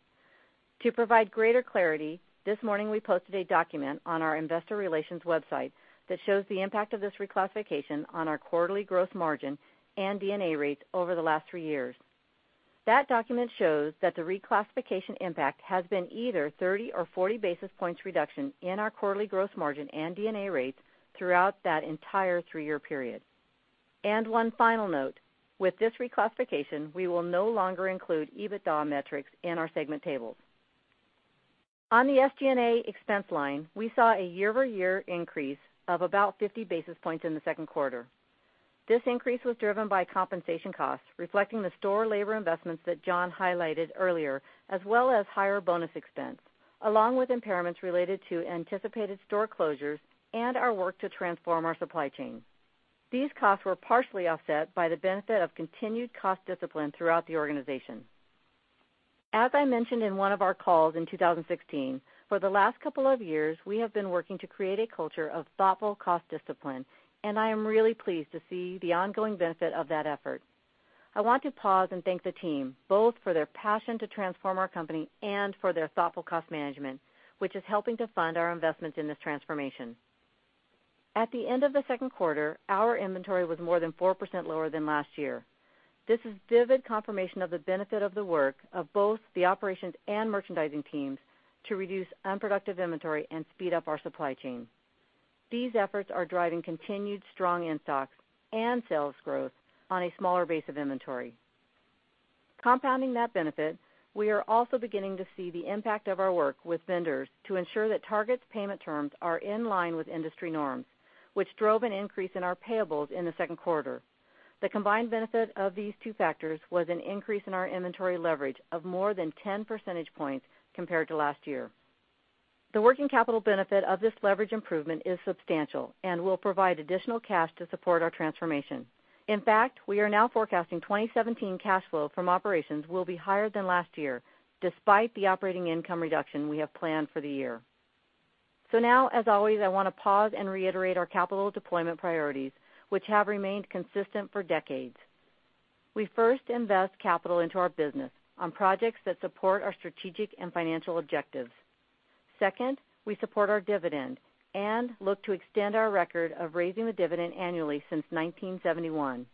To provide greater clarity, this morning we posted a document on our investor relations website that shows the impact of this reclassification on our quarterly gross margin and D&A rates over the last three years. That document shows that the reclassification impact has been either 30 or 40 basis points reduction in our quarterly gross margin and D&A rates throughout that entire three-year period. One final note, with this reclassification, we will no longer include EBITDA metrics in our segment tables. On the SG&A expense line, we saw a year-over-year increase of about 50 basis points in the second quarter. This increase was driven by compensation costs, reflecting the store labor investments that John highlighted earlier, as well as higher bonus expense, along with impairments related to anticipated store closures and our work to transform our supply chain. These costs were partially offset by the benefit of continued cost discipline throughout the organization. As I mentioned in one of our calls in 2016, for the last couple of years, we have been working to create a culture of thoughtful cost discipline. I am really pleased to see the ongoing benefit of that effort. I want to pause and thank the team, both for their passion to transform our company and for their thoughtful cost management, which is helping to fund our investments in this transformation. At the end of the second quarter, our inventory was more than 4% lower than last year. This is vivid confirmation of the benefit of the work of both the operations and merchandising teams to reduce unproductive inventory and speed up our supply chain. These efforts are driving continued strong in-stocks and sales growth on a smaller base of inventory. Compounding that benefit, we are also beginning to see the impact of our work with vendors to ensure that Target's payment terms are in line with industry norms, which drove an increase in our payables in the second quarter. The combined benefit of these two factors was an increase in our inventory leverage of more than 10 percentage points compared to last year. The working capital benefit of this leverage improvement is substantial and will provide additional cash to support our transformation. In fact, we are now forecasting 2017 cash flow from operations will be higher than last year, despite the operating income reduction we have planned for the year. Now, as always, I want to pause and reiterate our capital deployment priorities, which have remained consistent for decades. We first invest capital into our business on projects that support our strategic and financial objectives. Second, we support our dividend and look to extend our record of raising the dividend annually since 1971.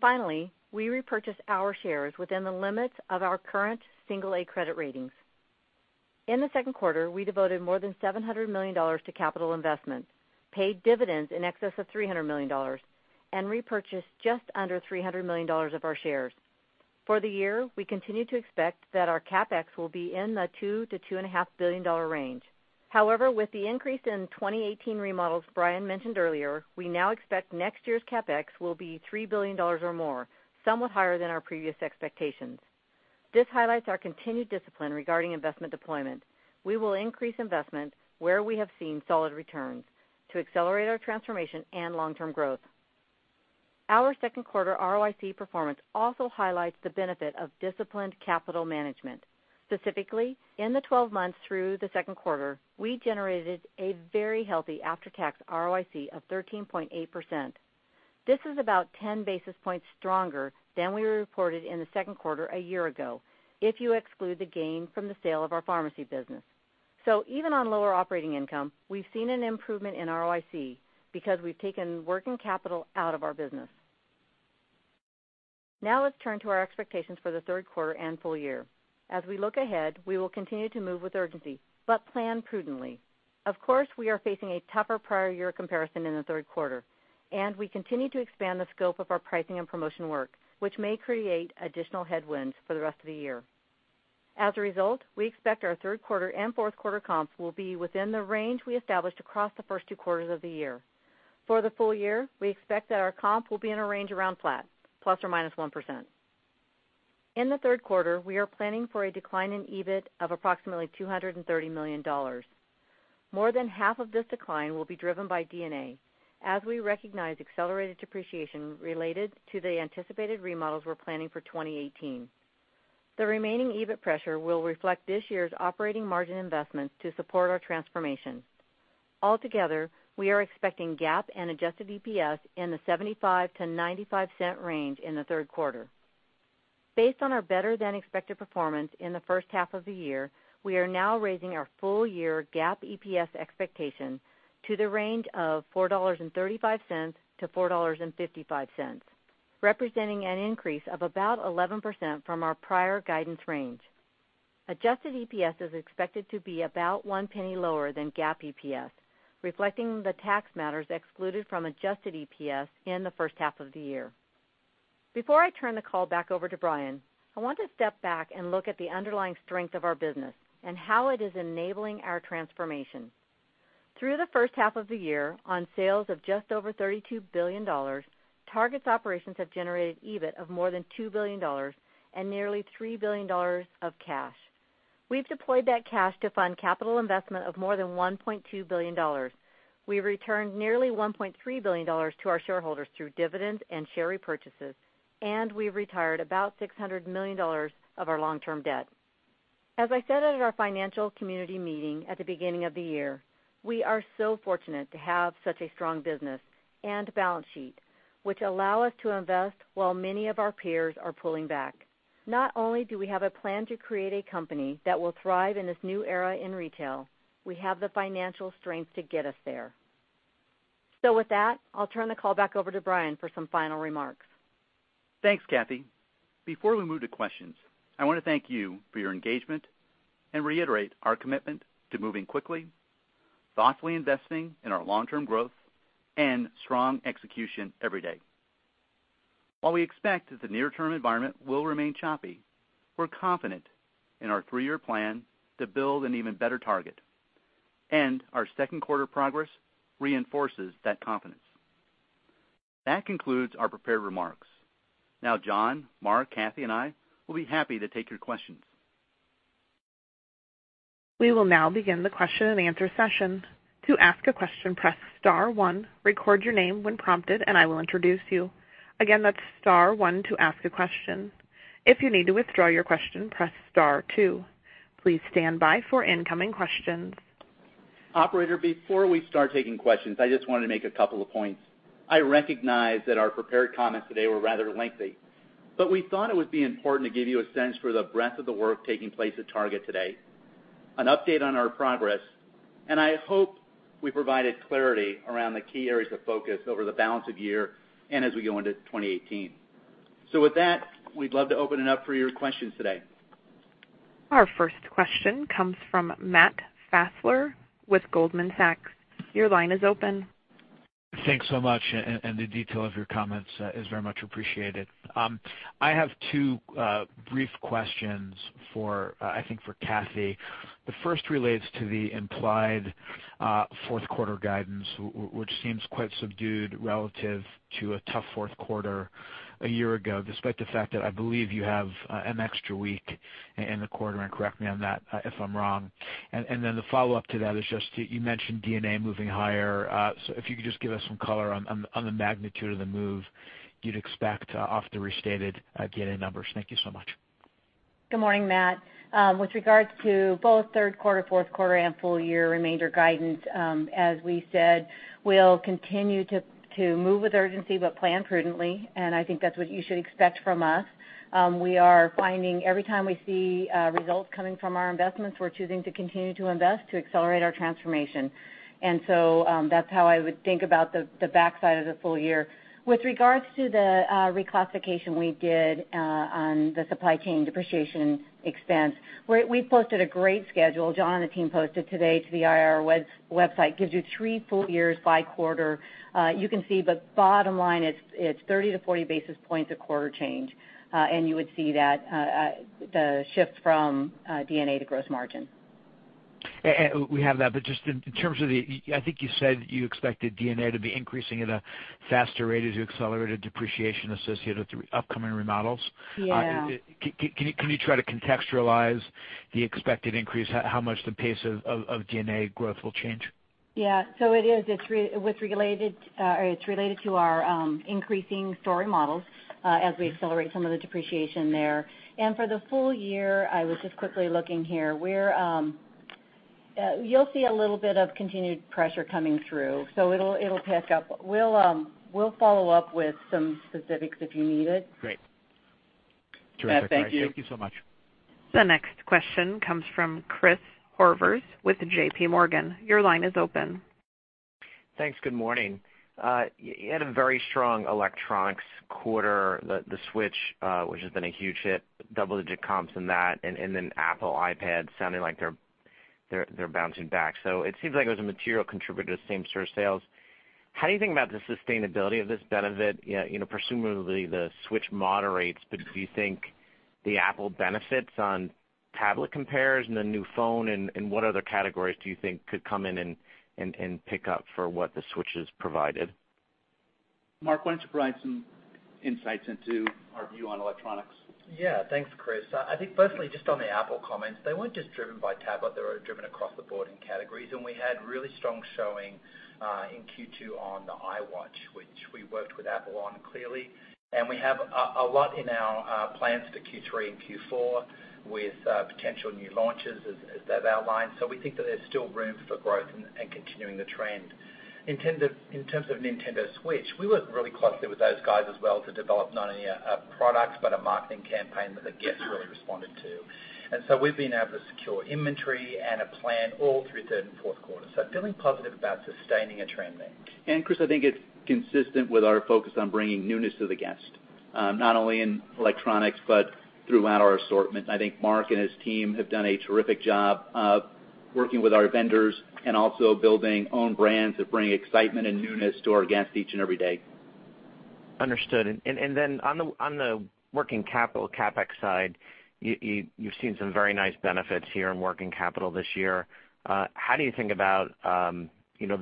Finally, we repurchase our shares within the limits of our current single A credit ratings. In the second quarter, we devoted more than $700 million to capital investments, paid dividends in excess of $300 million, and repurchased just under $300 million of our shares. For the year, we continue to expect that our CapEx will be in the $2 billion-$2.5 billion range. However, with the increase in 2018 remodels Brian mentioned earlier, we now expect next year's CapEx will be $3 billion or more, somewhat higher than our previous expectations. This highlights our continued discipline regarding investment deployment. We will increase investment where we have seen solid returns to accelerate our transformation and long-term growth. Our second quarter ROIC performance also highlights the benefit of disciplined capital management. Specifically, in the 12 months through the second quarter, we generated a very healthy after-tax ROIC of 13.8%. This is about 10 basis points stronger than we reported in the second quarter a year ago, if you exclude the gain from the sale of our pharmacy business. Even on lower operating income, we've seen an improvement in ROIC because we've taken working capital out of our business. Now let's turn to our expectations for the third quarter and full year. As we look ahead, we will continue to move with urgency, but plan prudently. Of course, we are facing a tougher prior year comparison in the third quarter. We continue to expand the scope of our pricing and promotion work, which may create additional headwinds for the rest of the year. As a result, we expect our third quarter and fourth quarter comps will be within the range we established across the first two quarters of the year. For the full year, we expect that our comp will be in a range around flat, ±1%. In the third quarter, we are planning for a decline in EBIT of approximately $230 million. More than half of this decline will be driven by D&A as we recognize accelerated depreciation related to the anticipated remodels we are planning for 2018. The remaining EBIT pressure will reflect this year's operating margin investments to support our transformation. Altogether, we are expecting GAAP and adjusted EPS in the $0.75-$0.95 range in the third quarter. Based on our better-than-expected performance in the first half of the year, we are now raising our full year GAAP EPS expectation to the range of $4.35-$4.55, representing an increase of about 11% from our prior guidance range. Adjusted EPS is expected to be about $0.01 lower than GAAP EPS, reflecting the tax matters excluded from adjusted EPS in the first half of the year. Before I turn the call back over to Brian, I want to step back and look at the underlying strength of our business and how it is enabling our transformation. Through the first half of the year, on sales of just over $32 billion, Target's operations have generated EBIT of more than $2 billion and nearly $3 billion of cash. We've deployed that cash to fund capital investment of more than $1.2 billion. We've returned nearly $1.3 billion to our shareholders through dividends and share repurchases, and we've retired about $600 million of our long-term debt. As I said at our financial community meeting at the beginning of the year, we are so fortunate to have such a strong business and balance sheet, which allow us to invest while many of our peers are pulling back. Not only do we have a plan to create a company that will thrive in this new era in retail, we have the financial strength to get us there. With that, I'll turn the call back over to Brian for some final remarks. Thanks, Cathy. Before we move to questions, I want to thank you for your engagement and reiterate our commitment to moving quickly, thoughtfully investing in our long-term growth, and strong execution every day. While we expect that the near-term environment will remain choppy, we are confident in our three-year plan to build an even better Target, and our second quarter progress reinforces that confidence. That concludes our prepared remarks. John, Mark, Cathy, and I will be happy to take your questions. We will now begin the question and answer session. To ask a question, press *1, record your name when prompted, and I will introduce you. Again, that's *1 to ask a question. If you need to withdraw your question, press *2. Please stand by for incoming questions. Operator, before we start taking questions, I just wanted to make a couple of points. I recognize that our prepared comments today were rather lengthy, but we thought it would be important to give you a sense for the breadth of the work taking place at Target today, an update on our progress, and I hope we provided clarity around the key areas of focus over the balance of the year and as we go into 2018. With that, we'd love to open it up for your questions today. Our first question comes from Matt Fassler with Goldman Sachs. Your line is open. Thanks so much, the detail of your comments is very much appreciated. I have two brief questions, I think for Cathy. The first relates to the implied fourth quarter guidance, which seems quite subdued relative to a tough fourth quarter a year ago, despite the fact that I believe you have an extra week in the quarter, and correct me on that if I'm wrong. Then the follow-up to that is just, you mentioned D&A moving higher. If you could just give us some color on the magnitude of the move you'd expect off the restated D&A numbers. Thank you so much. Good morning, Matt. With regards to both third quarter, fourth quarter, and full year remainder guidance, as we said, we'll continue to move with urgency but plan prudently, and I think that's what you should expect from us. We are finding every time we see results coming from our investments, we're choosing to continue to invest to accelerate our transformation. That's how I would think about the backside of the full year. With regards to the reclassification we did on the supply chain depreciation expense, we posted a great schedule. John and the team posted today to the IR website. Gives you three full years by quarter. You can see, but bottom line, it's 30 to 40 basis points of quarter change, and you would see the shift from D&A to gross margin. We have that. Just in terms of I think you said you expected D&A to be increasing at a faster rate as you accelerated depreciation associated with the upcoming remodels. Yeah. Can you try to contextualize the expected increase, how much the pace of D&A growth will change? Yeah. It is. It's related to our increasing store remodels as we accelerate some of the depreciation there. For the full year, I was just quickly looking here. You'll see a little bit of continued pressure coming through, so it'll pick up. We'll follow up with some specifics if you need it. Great. Terrific. Matt, thank you. All right. Thank you so much. The next question comes from Chris Horvers with JPMorgan. Your line is open. Thanks. Good morning. You had a very strong electronics quarter, the Switch which has been a huge hit, double-digit comps in that. Then Apple iPad sounding like they're bouncing back. It seems like it was a material contributor to same store sales. How do you think about the sustainability of this benefit? Presumably, the Switch moderates, but do you think the Apple benefits on tablet compares and the new phone, and what other categories do you think could come in and pick up for what the Switch has provided? Mark, why don't you provide some insights into our view on electronics? Thanks, Chris. I think firstly, just on the Apple comments, they weren't just driven by tablet, they were driven across the board in categories. We had really strong showing in Q2 on the Apple Watch, which we worked with Apple on clearly. We have a lot in our plans for Q3 and Q4 with potential new launches as Dave outlined. We think that there's still room for growth and continuing the trend. In terms of Nintendo Switch, we work really closely with those guys as well to develop not only a product, but a marketing campaign that the guests really responded to. We've been able to secure inventory and a plan all through third and fourth quarter. Feeling positive about sustaining a trend there. Chris, I think it's consistent with our focus on bringing newness to the guest, not only in electronics, but throughout our assortment. I think Mark and his team have done a terrific job of working with our vendors and also building own brands that bring excitement and newness to our guests each and every day. Understood. On the working capital, CapEx side, you've seen some very nice benefits here in working capital this year. How do you think about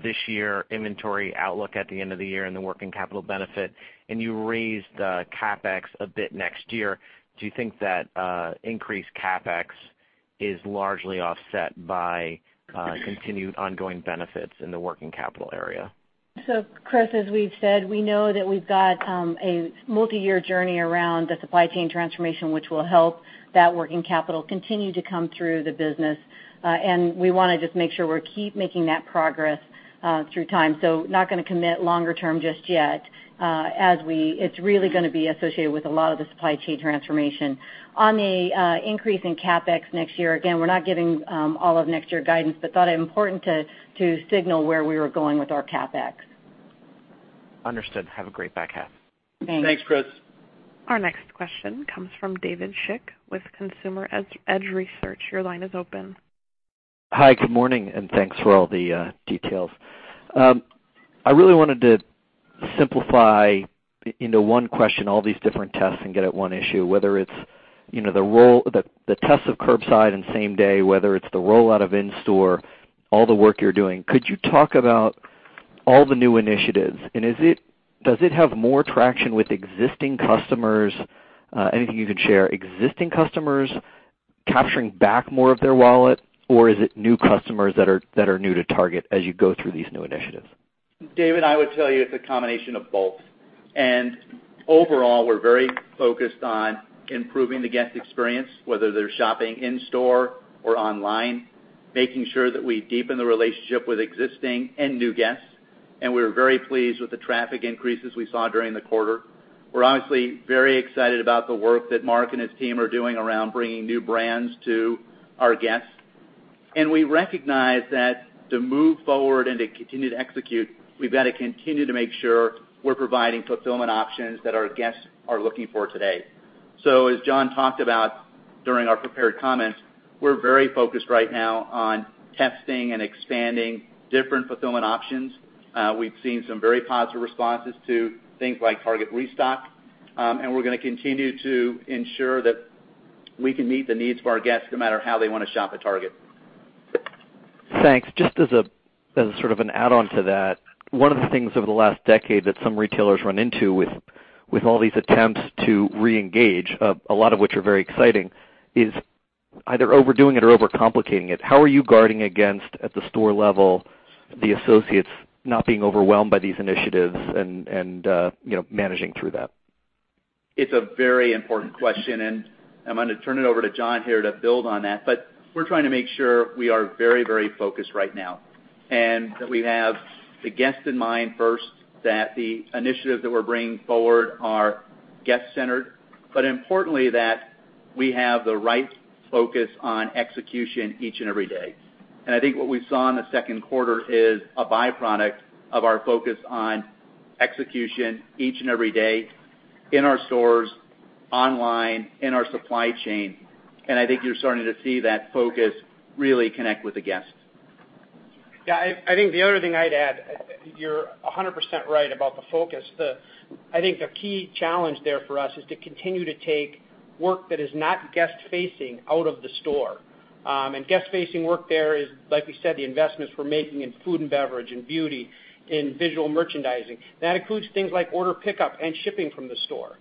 this year inventory outlook at the end of the year and the working capital benefit? You raised the CapEx a bit next year. Do you think that increased CapEx is largely offset by continued ongoing benefits in the working capital area? Chris, as we've said, we know that we've got a multi-year journey around the supply chain transformation, which will help that working capital continue to come through the business. We want to just make sure we keep making that progress through time. Not gonna commit longer term just yet. It's really gonna be associated with a lot of the supply chain transformation. On the increase in CapEx next year, again, we're not giving all of next year guidance, but thought it important to signal where we were going with our CapEx. Understood. Have a great back half. Thanks. Thanks, Chris. Our next question comes from David Schick with Consumer Edge Research. Your line is open. Hi, good morning, thanks for all the details. I really wanted to simplify into one question all these different tests and get at one issue, whether it's the tests of curbside and same day, whether it's the rollout of in-store, all the work you're doing. Could you talk about all the new initiatives? Does it have more traction with existing customers, anything you can share, existing customers capturing back more of their wallet, or is it new customers that are new to Target as you go through these new initiatives? David, I would tell you it's a combination of both. Overall, we're very focused on improving the guest experience, whether they're shopping in store or online, making sure that we deepen the relationship with existing and new guests. We're very pleased with the traffic increases we saw during the quarter. We're obviously very excited about the work that Mark and his team are doing around bringing new brands to our guests. We recognize that to move forward and to continue to execute, we've got to continue to make sure we're providing fulfillment options that our guests are looking for today. As John talked about during our prepared comments, we're very focused right now on testing and expanding different fulfillment options. We've seen some very positive responses to things like Target Restock, we're gonna continue to ensure that we can meet the needs of our guests no matter how they want to shop at Target. Thanks. Just as sort of an add-on to that, one of the things over the last decade that some retailers run into with all these attempts to reengage, a lot of which are very exciting, is either overdoing it or overcomplicating it. How are you guarding against, at the store level, the associates not being overwhelmed by these initiatives and managing through that? It's a very important question. I'm going to turn it over to John here to build on that. We're trying to make sure we are very focused right now, and that we have the guest in mind first, that the initiatives that we're bringing forward are guest-centered, but importantly, that we have the right focus on execution each and every day. I think what we saw in the second quarter is a byproduct of our focus on execution each and every day in our stores, online, in our supply chain. I think you're starting to see that focus really connect with the guest. Yeah, I think the other thing I'd add, you're 100% right about the focus. I think the key challenge there for us is to continue to take work that is not guest facing out of the store. Guest facing work there is, like we said, the investments we're making in food and beverage, in beauty, in visual merchandising. That includes things like order pickup and shipping from the store.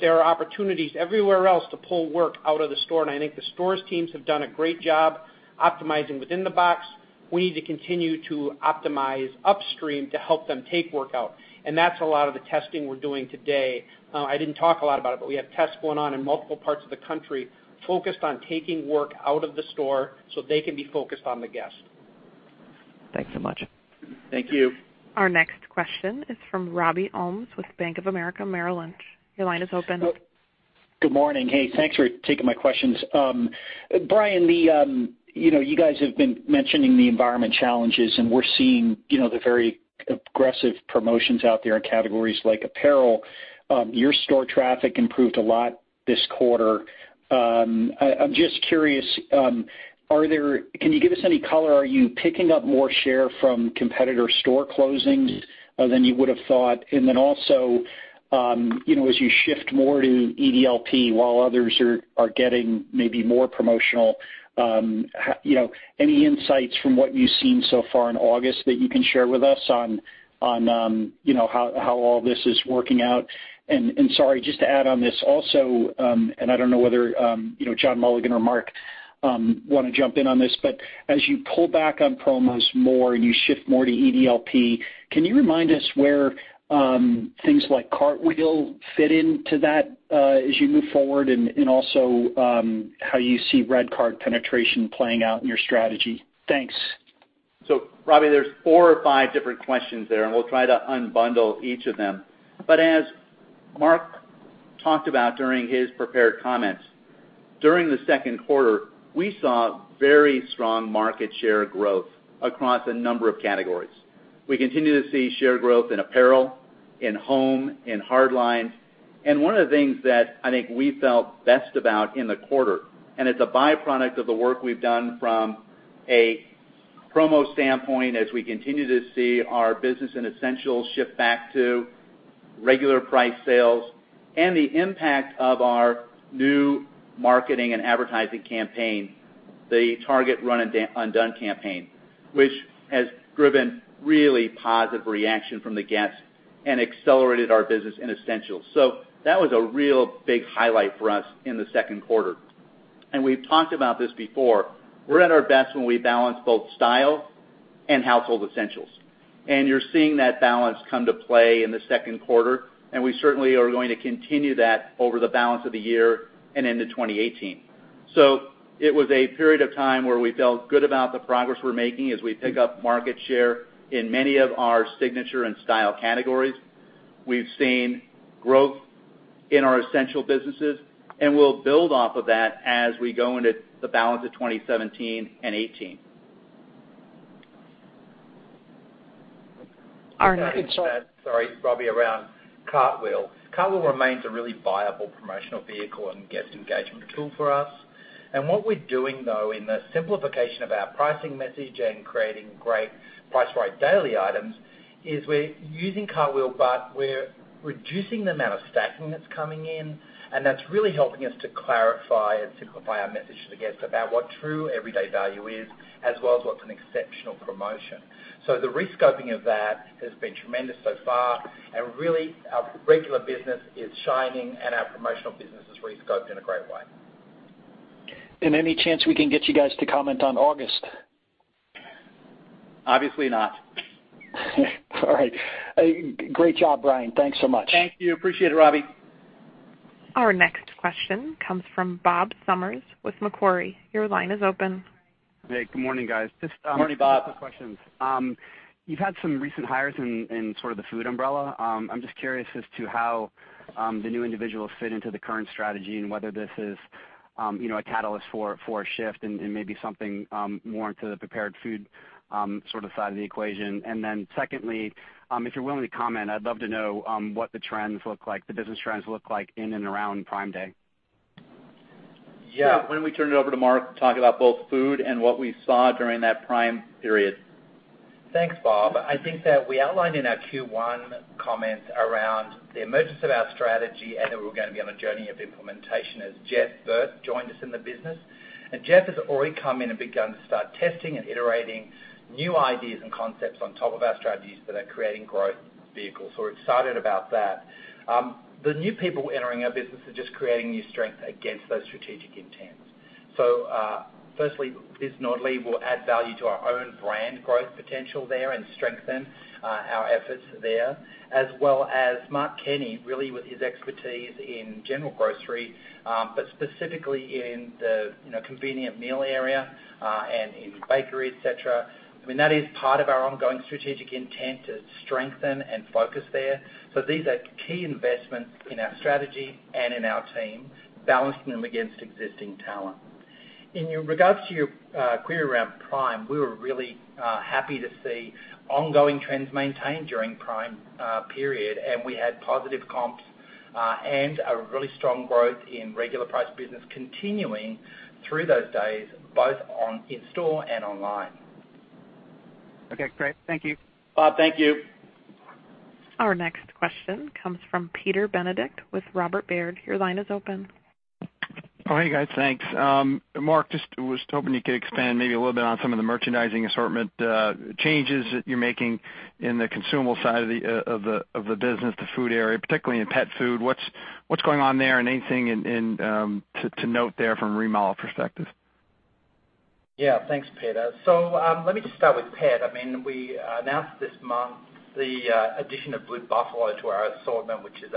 There are opportunities everywhere else to pull work out of the store, and I think the stores teams have done a great job optimizing within the box. We need to continue to optimize upstream to help them take work out. That's a lot of the testing we're doing today. I didn't talk a lot about it, but we have tests going on in multiple parts of the country focused on taking work out of the store so they can be focused on the guest. Thanks so much. Thank you. Our next question is from Robert Ohmes with Bank of America Merrill Lynch. Your line is open. Good morning. Hey, thanks for taking my questions. Brian, you guys have been mentioning the environment challenges. We're seeing the very aggressive promotions out there in categories like apparel. Your store traffic improved a lot this quarter. I'm just curious, can you give us any color? Are you picking up more share from competitor store closings than you would have thought? Also, as you shift more to EDLP, while others are getting maybe more promotional, any insights from what you've seen so far in August that you can share with us on how all this is working out? Sorry, just to add on this also. I don't know whether John Mulligan or Mark want to jump in on this, as you pull back on promos more and you shift more to EDLP, can you remind us where things like Cartwheel fit into that as you move forward, and also how you see Target RedCard penetration playing out in your strategy? Thanks. Robbie, there's four or five different questions there, we'll try to unbundle each of them. As Mark talked about during his prepared comments, during the second quarter, we saw very strong market share growth across a number of categories. We continue to see share growth in apparel, in home, in hard line. One of the things that I think we felt best about in the quarter, and it's a byproduct of the work we've done from a promo standpoint as we continue to see our business and Essentials shift back to regular price sales and the impact of our new marketing and advertising campaign, the Target Run and Done campaign, which has driven really positive reaction from the guests and accelerated our business in Essentials. That was a real big highlight for us in the second quarter. We've talked about this before. We're at our best when we balance both style and household essentials. You're seeing that balance come to play in the second quarter, and we certainly are going to continue that over the balance of the year and into 2018. It was a period of time where we felt good about the progress we're making as we pick up market share in many of our signature and style categories. We've seen growth in our Essentials businesses, we'll build off of that as we go into the balance of 2017 and 2018. Our next- Sorry, Robbie, around Cartwheel. Cartwheel remains a really viable promotional vehicle and guest engagement tool for us. What we're doing, though, in the simplification of our pricing message and creating great Price Right Daily items is we're using Cartwheel, we're reducing the amount of stacking that's coming in, that's really helping us to clarify and simplify our message to guests about what true everyday value is, as well as what's an exceptional promotion. The rescoping of that has been tremendous so far. Really, our regular business is shining and our promotional business is rescoped in a great way. Any chance we can get you guys to comment on August? Obviously not. All right. Great job, Brian. Thanks so much. Thank you. Appreciate it, Robbie. Our next question comes from Bob Summers with Macquarie. Your line is open. Hey, good morning, guys. Good morning, Bob. Just a couple questions. You've had some recent hires in sort of the food umbrella. I'm just curious as to how the new individuals fit into the current strategy and whether this is a catalyst for a shift and maybe something more into the prepared food sort of side of the equation. Secondly, if you're willing to comment, I'd love to know what the business trends look like in and around Prime Day. Why don't we turn it over to Mark to talk about both food and what we saw during that Prime period? Thanks, Bob. I think that we outlined in our Q1 comments around the emergence of our strategy and that we were going to be on a journey of implementation as Jeff Burt joined us in the business. Jeff has already come in and begun to start testing and iterating new ideas and concepts on top of our strategies that are creating growth vehicles. We're excited about that. The new people entering our business are just creating new strength against those strategic intents. Firstly, Liz Nordlie will add value to our own brand growth potential there and strengthen our efforts there, as well as Mark Kenny, really with his expertise in general grocery, but specifically in the convenient meal area, and in bakery, et cetera. That is part of our ongoing strategic intent to strengthen and focus there. These are key investments in our strategy and in our team, balancing them against existing talent. In regards to your query around Prime, we were really happy to see ongoing trends maintained during Prime period, and we had positive comps. A really strong growth in regular price business continuing through those days, both on in-store and online. Okay, great. Thank you. Bob, thank you. Our next question comes from Peter Benedict with Robert Baird. Your line is open. Hey, guys, thanks. Mark, just was hoping you could expand maybe a little bit on some of the merchandising assortment changes that you're making in the consumable side of the business, the food area, particularly in pet food. What's going on there? Anything to note there from a remodel perspective? Yeah. Thanks, Peter. Let me just start with pet. We announced this month the addition of Blue Buffalo to our assortment, which is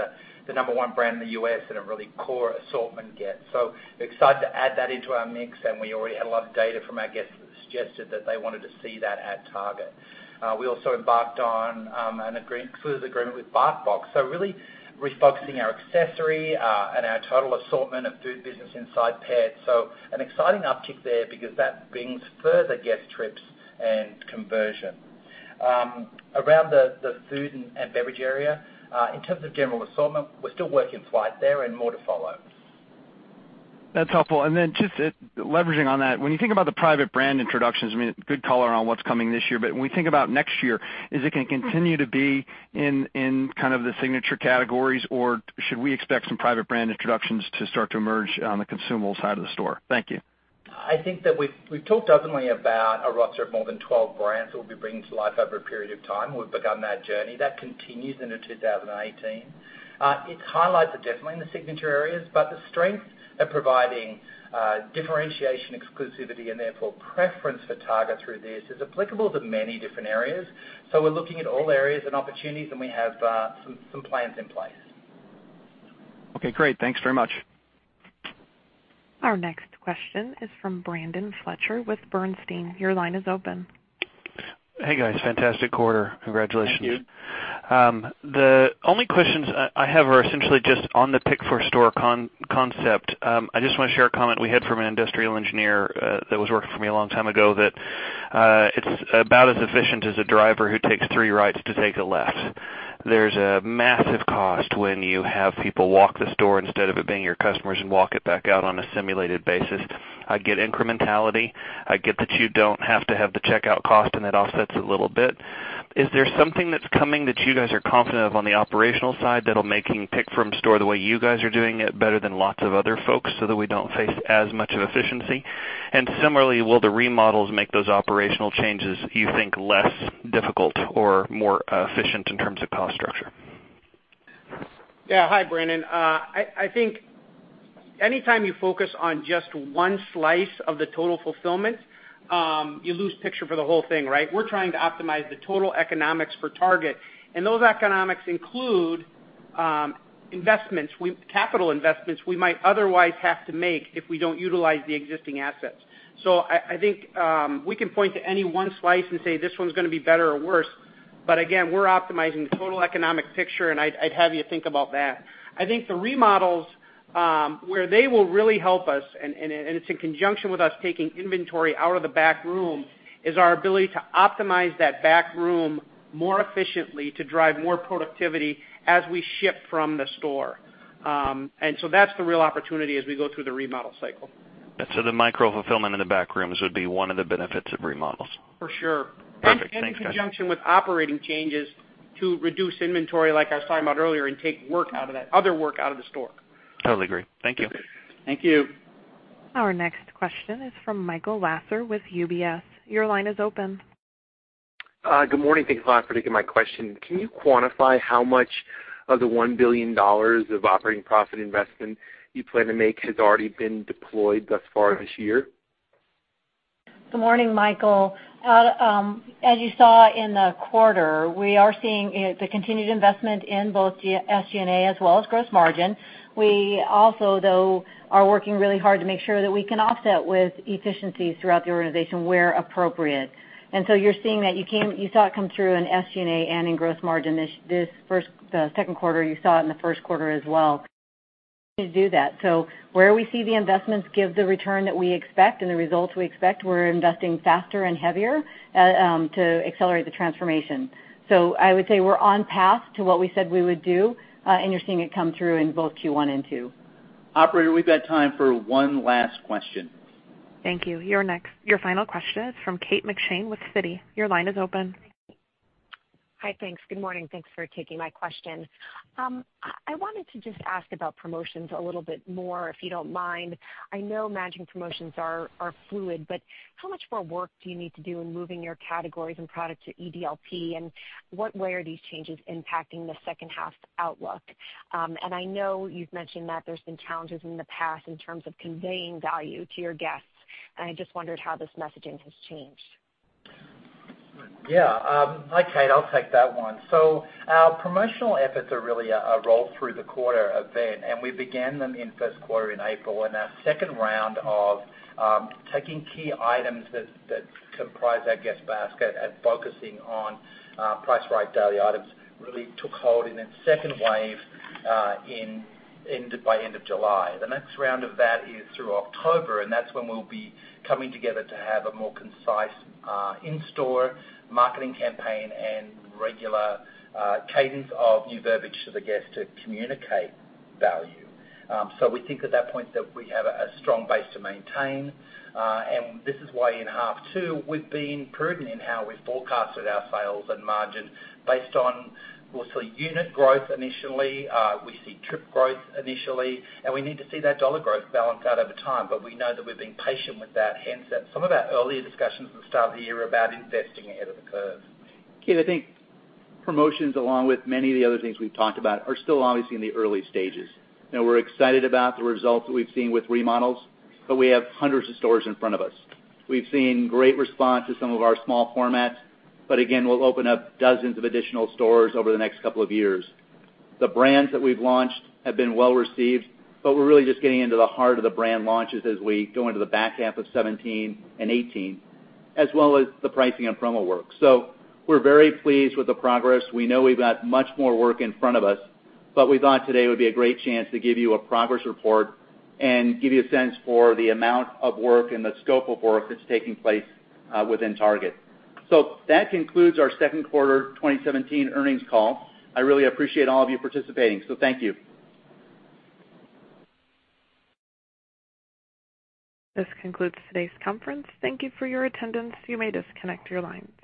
the number one brand in the U.S. and a really core assortment get. We're excited to add that into our mix, and we already had a lot of data from our guests that suggested that they wanted to see that at Target. We also embarked on an agreement with BarkBox. Really refocusing our accessory, and our total assortment of food business inside pet. An exciting uptick there because that brings further guest trips and conversion. Around the food and beverage area, in terms of general assortment, we're still working flight there and more to follow. That's helpful. Just leveraging on that, when you think about the private brand introductions, good color on what's coming this year. When we think about next year, is it going to continue to be in kind of the signature categories, or should we expect some private brand introductions to start to emerge on the consumable side of the store? Thank you. I think that we've talked openly about a roster of more than 12 brands that we'll be bringing to life over a period of time. We've begun that journey. That continues into 2018. Its highlights are definitely in the signature areas, the strength of providing differentiation, exclusivity, and therefore preference for Target through this is applicable to many different areas. We're looking at all areas and opportunities, and we have some plans in place. Okay, great. Thanks very much. Our next question is from Brandon Fletcher with Bernstein. Your line is open. Hey, guys. Fantastic quarter. Congratulations. Thank you. The only questions I have are essentially just on the pick from store concept. I just want to share a comment we had from an industrial engineer that was working for me a long time ago that it's about as efficient as a driver who takes three rights to take a left. There's a massive cost when you have people walk the store instead of it being your customers and walk it back out on a simulated basis. I get incrementality. I get that you don't have to have the checkout cost, and that offsets a little bit. Is there something that's coming that you guys are confident of on the operational side that'll make pick from store the way you guys are doing it better than lots of other folks so that we don't face as much of efficiency? Similarly, will the remodels make those operational changes, you think, less difficult or more efficient in terms of cost structure? Yeah. Hi, Brandon. I think anytime you focus on just one slice of the total fulfillment, you lose picture for the whole thing, right? We're trying to optimize the total economics for Target, and those economics include capital investments we might otherwise have to make if we don't utilize the existing assets. I think we can point to any one slice and say, "This one's going to be better or worse," but again, we're optimizing the total economic picture, and I'd have you think about that. I think the remodels, where they will really help us, and it's in conjunction with us taking inventory out of the back room, is our ability to optimize that back room more efficiently to drive more productivity as we ship from the store. That's the real opportunity as we go through the remodel cycle. The micro-fulfillment in the back rooms would be one of the benefits of remodels. For sure. Perfect. Thanks, guys. In conjunction with operating changes to reduce inventory, like I was talking about earlier, and take other work out of the store. Totally agree. Thank you. Thank you. Our next question is from Michael Lasser with UBS. Your line is open. Good morning. Thanks a lot for taking my question. Can you quantify how much of the $1 billion of operating profit investment you plan to make has already been deployed thus far this year? Good morning, Michael. As you saw in the quarter, we are seeing the continued investment in both SG&A as well as gross margin. We also, though, are working really hard to make sure that we can offset with efficiencies throughout the organization where appropriate. You're seeing that. You saw it come through in SG&A and in gross margin the second quarter, you saw it in the first quarter as well to do that. Where we see the investments give the return that we expect and the results we expect, we're investing faster and heavier to accelerate the transformation. I would say we're on path to what we said we would do, and you're seeing it come through in both Q1 and 2. Operator, we've got time for one last question. Thank you. You're next. Your final question is from Kate McShane with Citi. Your line is open. Hi. Thanks. Good morning. Thanks for taking my question. I wanted to just ask about promotions a little bit more, if you don't mind. I know managing promotions are fluid, but how much more work do you need to do in moving your categories and products to EDLP, and what way are these changes impacting the second half's outlook? I know you've mentioned that there's been challenges in the past in terms of conveying value to your guests, and I just wondered how this messaging has changed. Yeah. Hi, Kate. I'll take that one. Our promotional efforts are really a roll through the quarter event, and we began them in first quarter in April, and our second round of taking key items that comprise our guest basket and focusing on Price Right Daily items really took hold in its second wave by end of July. The next round of that is through October, and that's when we'll be coming together to have a more concise in-store marketing campaign and regular cadence of new verbiage to the guest to communicate value. We think at that point that we have a strong base to maintain. This is why in half two, we've been prudent in how we forecasted our sales and margin based on, we'll see unit growth initially. We see trip growth initially, and we need to see that $ growth balance out over time. We know that we're being patient with that, hence some of our earlier discussions at the start of the year about investing ahead of the curve. Kate, I think promotions, along with many of the other things we've talked about, are still obviously in the early stages. We're excited about the results that we've seen with remodels, but we have hundreds of stores in front of us. We've seen great response to some of our small formats, but again, we'll open up dozens of additional stores over the next couple of years. The brands that we've launched have been well-received, but we're really just getting into the heart of the brand launches as we go into the back half of 2017 and 2018, as well as the pricing and promo work. We're very pleased with the progress. We know we've got much more work in front of us, but we thought today would be a great chance to give you a progress report and give you a sense for the amount of work and the scope of work that's taking place within Target. That concludes our second quarter 2017 earnings call. I really appreciate all of you participating, so thank you. This concludes today's conference. Thank you for your attendance. You may disconnect your lines.